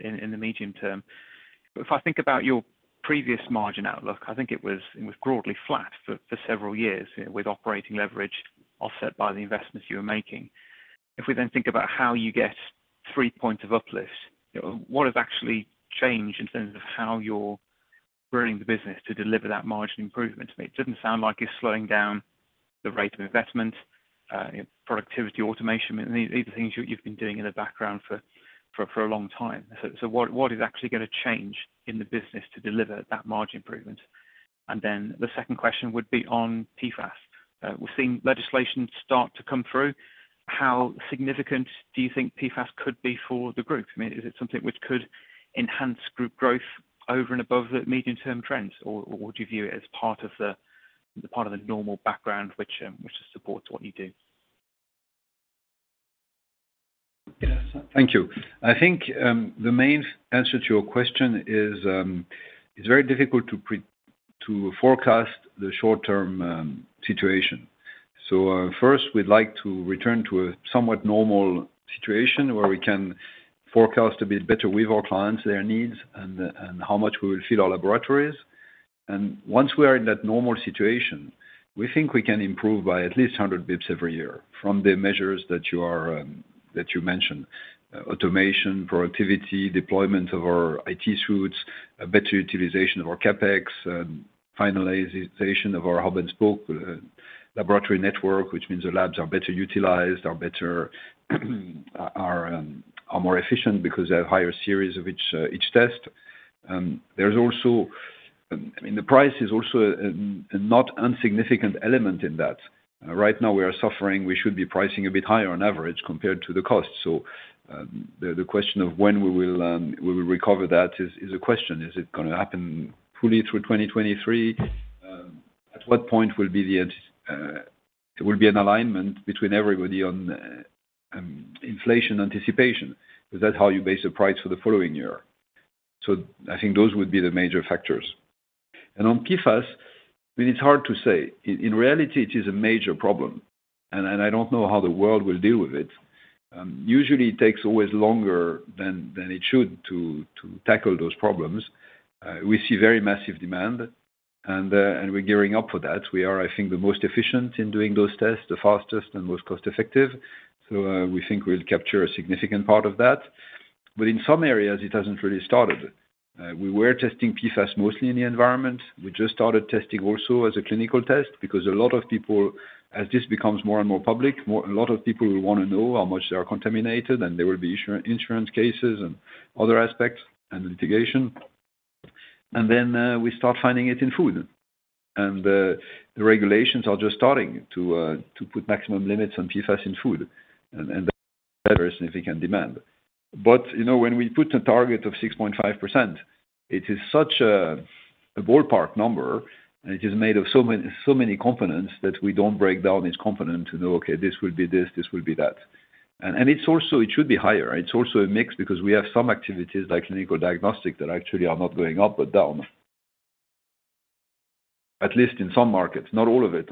in the medium term. If I think about your previous margin outlook, I think it was broadly flat for several years with operating leverage offset by the investments you were making. If we then think about how you get three points of uplift, you know, what has actually changed in terms of how you're running the business to deliver that margin improvement? I mean, it didn't sound like it's slowing down the rate of investment, productivity, automation. I mean, these are things you've been doing in the background for a long time. What is actually gonna change in the business to deliver that margin improvement? The second question would be on PFAS. We're seeing legislation start to come through. How significant do you think PFAS could be for the group? I mean, is it something which could enhance group growth over and above the medium-term trends, or do you view it as part of the normal background which supports what you do? Yes. Thank you. I think the main answer to your question is, it's very difficult to forecast the short-term situation. First we'd like to return to a somewhat normal situation where we can forecast a bit better with our clients, their needs and how much we will fill our laboratories. Once we are in that normal situation, we think we can improve by at least 100 basis points every year from the measures that you are that you mentioned. Automation, productivity, deployment of our IT suites, a better utilization of our CapEx, finalization of our hub-and-spoke laboratory network, which means the labs are better utilized, are better, are more efficient because they have higher series of each test. There's also, I mean, the price is also a not insignificant element in that. Right now, we are suffering. We should be pricing a bit higher on average compared to the cost. The question of when we will recover that is a question. Is it gonna happen fully through 2023? At what point will be the there will be an alignment between everybody on inflation anticipation? That's how you base a price for the following year. I think those would be the major factors. On PFAS, I mean, it's hard to say. In reality, it is a major problem. I don't know how the world will deal with it. Usually it takes always longer than it should to tackle those problems. We see very massive demand, and we're gearing up for that. We are, I think, the most efficient in doing those tests, the fastest and most cost-effective. We think we'll capture a significant part of that. But in some areas, it hasn't really started. We were testing PFAS mostly in the environment. We just started testing also as a clinical test because a lot of people, as this becomes more and more public, a lot of people will want to know how much they are contaminated, and there will be insurance cases and other aspects and litigation. We start finding it in food, and the regulations are just starting to put maximum limits on PFAS in food, and that is better significant demand. You know, when we put a target of 6.5%, it is such a ballpark number, and it is made of so many components that we don't break down each component to know, okay, this will be this will be that. It should be higher. It's also a mix because we have some activities like Clinical Diagnostics that actually are not going up but down. At least in some markets, not all of it,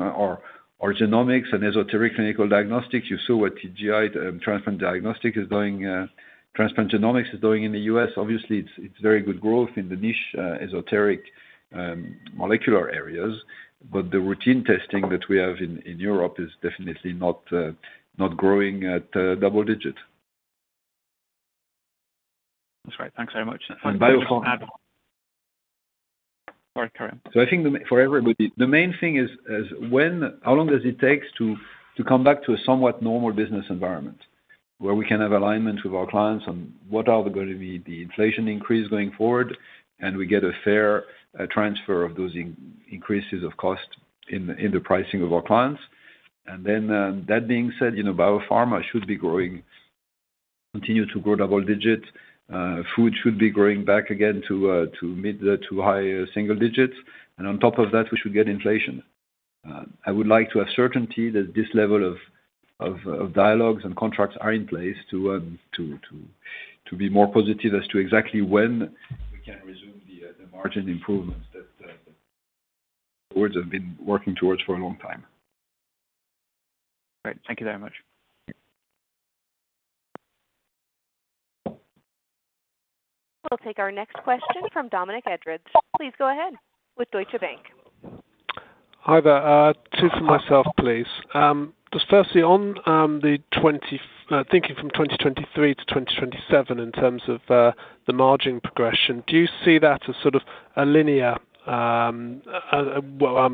or genomics and esoteric Clinical Diagnostics. You saw what TGI, transplant diagnostic is doing, Transplant Genomics is doing in the U.S. Obviously, it's very good growth in the niche, esoteric, molecular areas. The routine testing that we have in Europe is definitely not growing at double-digit. That's right. Thanks very much. And biophar- Can I just add... Sorry, carry on. I think for everybody, the main thing is how long does it take to come back to a somewhat normal business environment where we can have alignment with our clients on what are gonna be the inflation increase going forward, and we get a fair transfer of those increases of cost in the pricing of our clients. That being said, you know, BioPharma should be growing, continue to grow double-digit. Food should be growing back again to mid to high single-digits. On top of that, we should get inflation. I would like to have certainty that this level of dialogues and contracts are in place to be more positive as to exactly when we can resume the margin improvements that boards have been working towards for a long time. Great. Thank you very much. We'll take our next question from Dominic Edridge. Please go ahead with Deutsche Bank. Hi there. Two for myself, please. Just firstly, on, thinking from 2023 to 2027 in terms of the margin progression, do you see that as sort of a linear, well,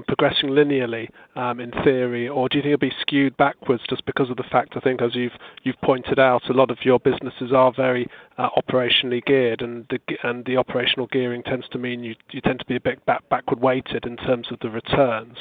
progressing linearly, in theory? Or do you think it'll be skewed backwards just because of the fact I think as you've pointed out, a lot of your businesses are very operationally geared, and the operational gearing tends to mean you tend to be a bit backward weighted in terms of the returns.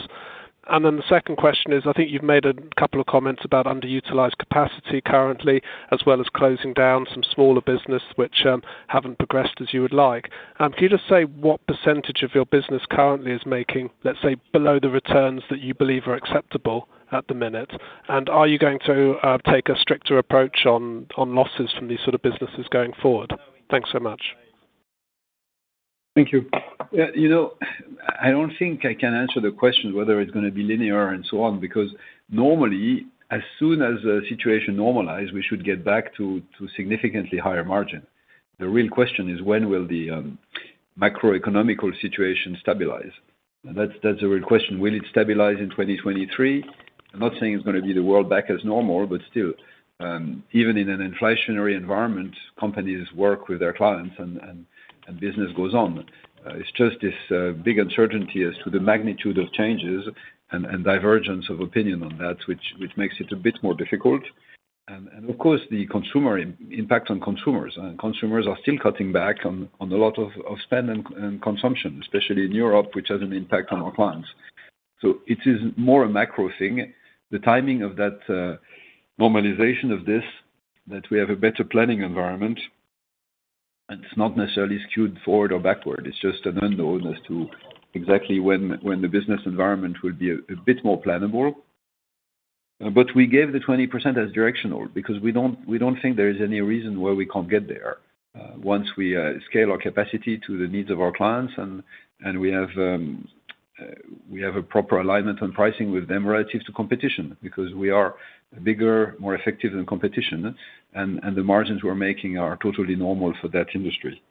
The second question is, I think you've made a couple of comments about underutilized capacity currently, as well as closing down some smaller business which haven't progressed as you would like. Could you just say what % of your business currently is making, let's say, below the returns that you believe are acceptable at the minute? Are you going to take a stricter approach on losses from these sort of businesses going forward? Thanks so much. Thank you. Yeah, you know, I don't think I can answer the question whether it's gonna be linear and so on, because normally, as soon as the situation normalize, we should get back to significantly higher margin. The real question is when will the macroeconomic situation stabilize? That's the real question. Will it stabilize in 2023? I'm not saying it's gonna be the world back as normal, but still, even in an inflationary environment, companies work with their clients and business goes on. It's just this big uncertainty as to the magnitude of changes and divergence of opinion on that which makes it a bit more difficult. Of course, the impact on consumers. Consumers are still cutting back on a lot of spend and consumption, especially in Europe, which has an impact on our clients. It is more a macro thing. The timing of that normalization of this, that we have a better planning environment, and it's not necessarily skewed forward or backward. It's just an unknown as to exactly when the business environment will be a bit more plannable. We gave the 20% as directional because we don't think there is any reason why we can't get there once we scale our capacity to the needs of our clients and we have a proper alignment on pricing with them relative to competition, because we are bigger, more effective than competition, and the margins we're making are totally normal for that industry.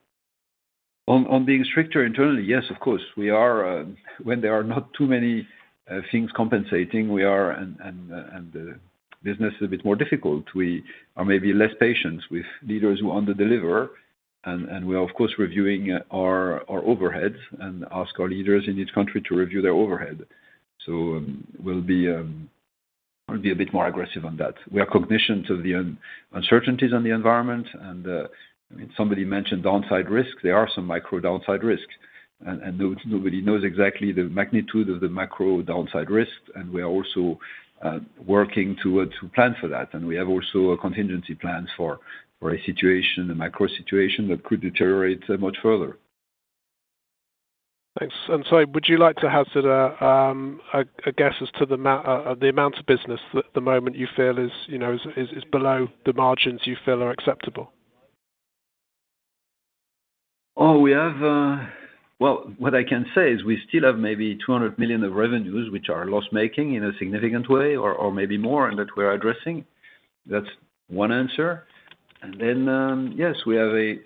On being stricter internally, yes, of course, we are, when there are not too many things compensating, we are and business is a bit more difficult. We are maybe less patient with leaders who under-deliver, and we are, of course, reviewing our overheads and ask our leaders in each country to review their overhead. We'll be a bit more aggressive on that. We have recognition to the uncertainties on the environment and I mean, somebody mentioned downside risk. There are some micro downside risk and nobody knows exactly the magnitude of the macro downside risk. We are also working to plan for that. We have also a contingency plans for a situation, a micro situation that could deteriorate much further. Thanks. Sorry, would you like to have sort of a guess as to the amount of business that at the moment you feel is, you know, is below the margins you feel are acceptable? What I can say is we still have maybe 200 million of revenues which are loss-making in a significant way or maybe more, that we're addressing. That's one answer. We have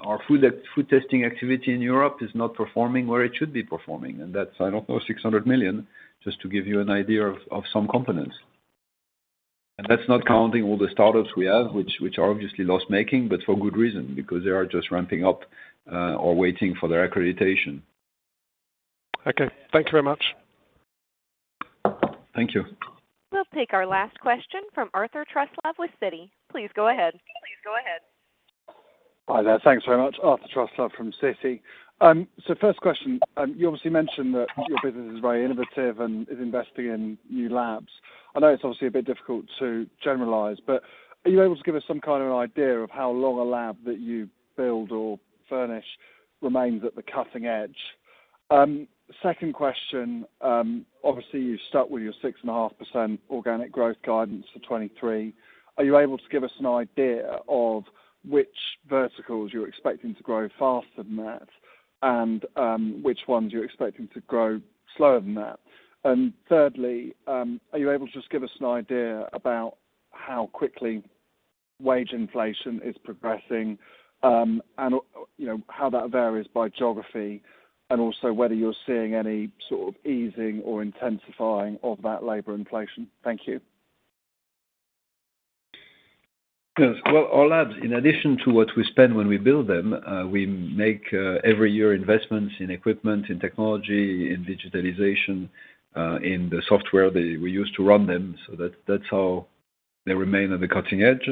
our food testing activity in Europe is not performing where it should be performing, that's, I don't know, 600 million, just to give you an idea of some components. That's not counting all the startups we have, which are obviously loss-making, but for good reason, because they are just ramping up or waiting for their accreditation. Okay. Thank you very much. Thank you. We'll take our last question from Arthur Truslove with Citi. Please go ahead. Hi there. Thanks very much. Arthur Truslove from Citi. First question, you obviously mentioned that your business is very innovative and is investing in new labs. I know it's obviously a bit difficult to generalize, but are you able to give us some kind of an idea of how long a lab that you build or furnish remains at the cutting edge? Second question, obviously you've stuck with your 6.5% organic growth guidance for 2023. Are you able to give us an idea of which verticals you're expecting to grow faster than that and which ones you're expecting to grow slower than that? Thirdly, are you able to just give us an idea about how quickly wage inflation is progressing, and, you know, how that varies by geography, and also whether you're seeing any sort of easing or intensifying of that labor inflation? Thank you. Yes. Well, our labs, in addition to what we spend when we build them, we make every year investments in equipment, in technology, in digitalization, in the software we use to run them, so that's how they remain on the cutting edge.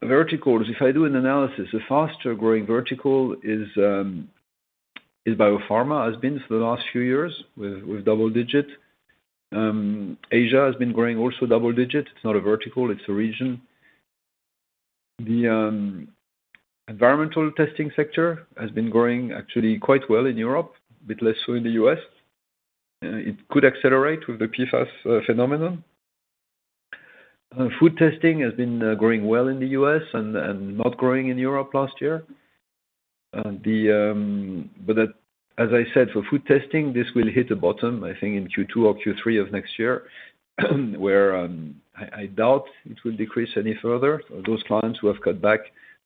Verticals, if I do an analysis, the faster-growing vertical is BioPharma, has been for the last few years with double digits. Asia has been growing also double digits. It's not a vertical, it's a region. The environmental testing sector has been growing actually quite well in Europe, a bit less so in the U.S. It could accelerate with the PFAS phenomenon. Food testing has been growing well in the U.S. and not growing in Europe last year. As I said, for food testing, this will hit a bottom, I think in Q2 or Q3 of next year, where I doubt it will decrease any further. Those clients who have cut back,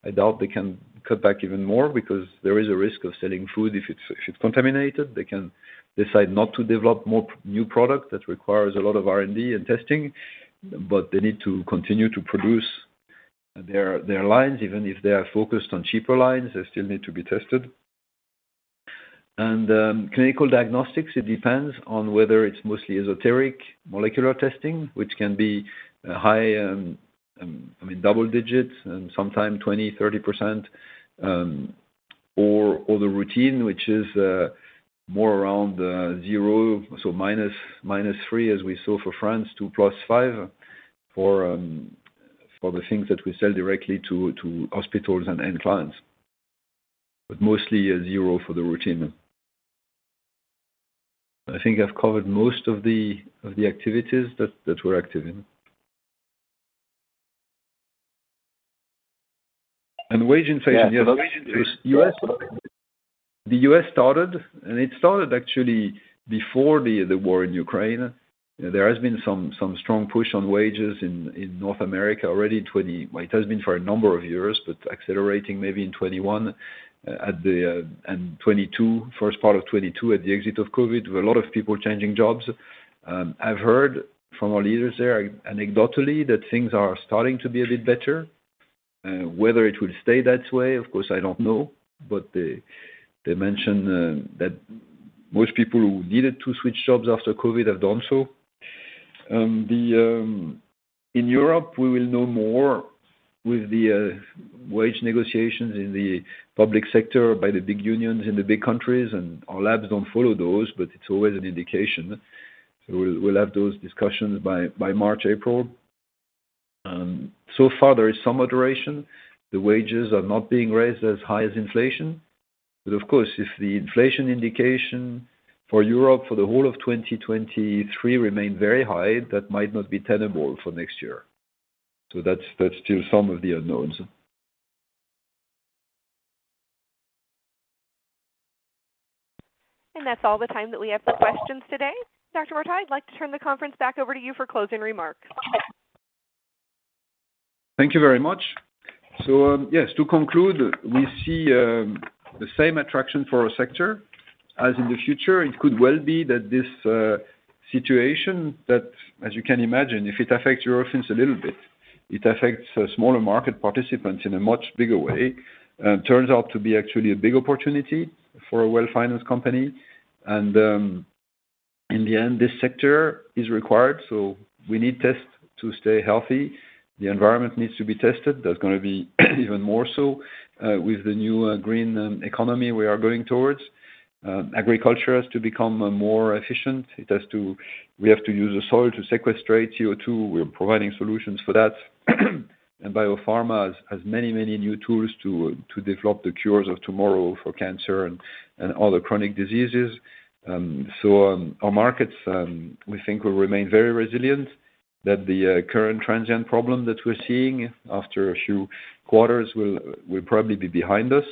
I doubt they can cut back even more because there is a risk of selling food if it's contaminated. They can decide not to develop more new product. That requires a lot of R&D and testing, but they need to continue to produce their lines. Even if they are focused on cheaper lines, they still need to be tested. Clinical Diagnostics, it depends on whether it's mostly esoteric molecular testing, which can be high, I mean, double digits and sometime 20%, 30%, or the routine, which is more around zero, so -3, as we saw for France, to +5 for the things that we sell directly to hospitals and end clients. But mostly a zero for the routine. I think I've covered most of the activities that we're active in. Wage inflation, yes. The U.S., the U.S. started, and it started actually before the war in Ukraine. There has been some strong push on wages in North America already 20... It has been for a number of years, but accelerating maybe in 2021 and 2022, first part of 2022 at the exit of COVID, with a lot of people changing jobs. I've heard from our leaders there anecdotally that things are starting to be a bit better. Whether it will stay that way, of course, I don't know. They, they mentioned that most people who needed to switch jobs after COVID have done so. In Europe, we will know more with the wage negotiations in the public sector by the big unions in the big countries, and our labs don't follow those, but it's always an indication. We'll, we'll have those discussions by March, April. So far there is some moderation. The wages are not being raised as high as inflation. Of course, if the inflation indication for Europe for the whole of 2023 remain very high, that might not be tenable for next year. That's still some of the unknowns. That's all the time that we have for questions today. Dr. Gilles Martin, I'd like to turn the conference back over to you for closing remarks. Thank you very much. Yes, to conclude, we see the same attraction for our sector. As in the future, it could well be that this situation that, as you can imagine, if it affects Eurofins a little bit, it affects smaller market participants in a much bigger way, turns out to be actually a big opportunity for a well-financed company. In the end, this sector is required, so we need tests to stay healthy. The environment needs to be tested. There's gonna be even more so with the new green economy we are going towards. Agriculture has to become more efficient. We have to use the soil to sequestrate CO₂. We're providing solutions for that. BioPharma has many new tools to develop the cures of tomorrow for cancer and other chronic diseases. Our markets, we think will remain very resilient, that the current transient problem that we're seeing after a few quarters will probably be behind us.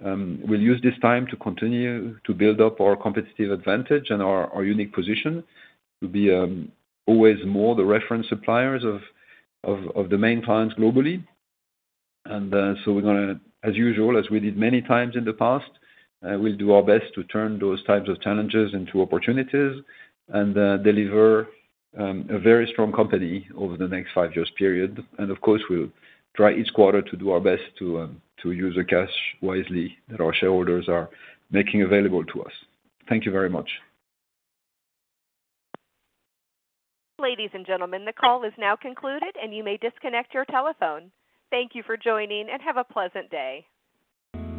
We'll use this time to continue to build up our competitive advantage and our unique position to be always more the reference suppliers of the main clients globally. We're gonna, as usual, as we did many times in the past, we'll do our best to turn those types of challenges into opportunities and deliver a very strong company over the next five years period. Of course, we'll try each quarter to do our best to use the cash wisely that our shareholders are making available to us. Thank you very much. Ladies and gentlemen, the call is now concluded, and you may disconnect your telephone. Thank you for joining, and have a pleasant day.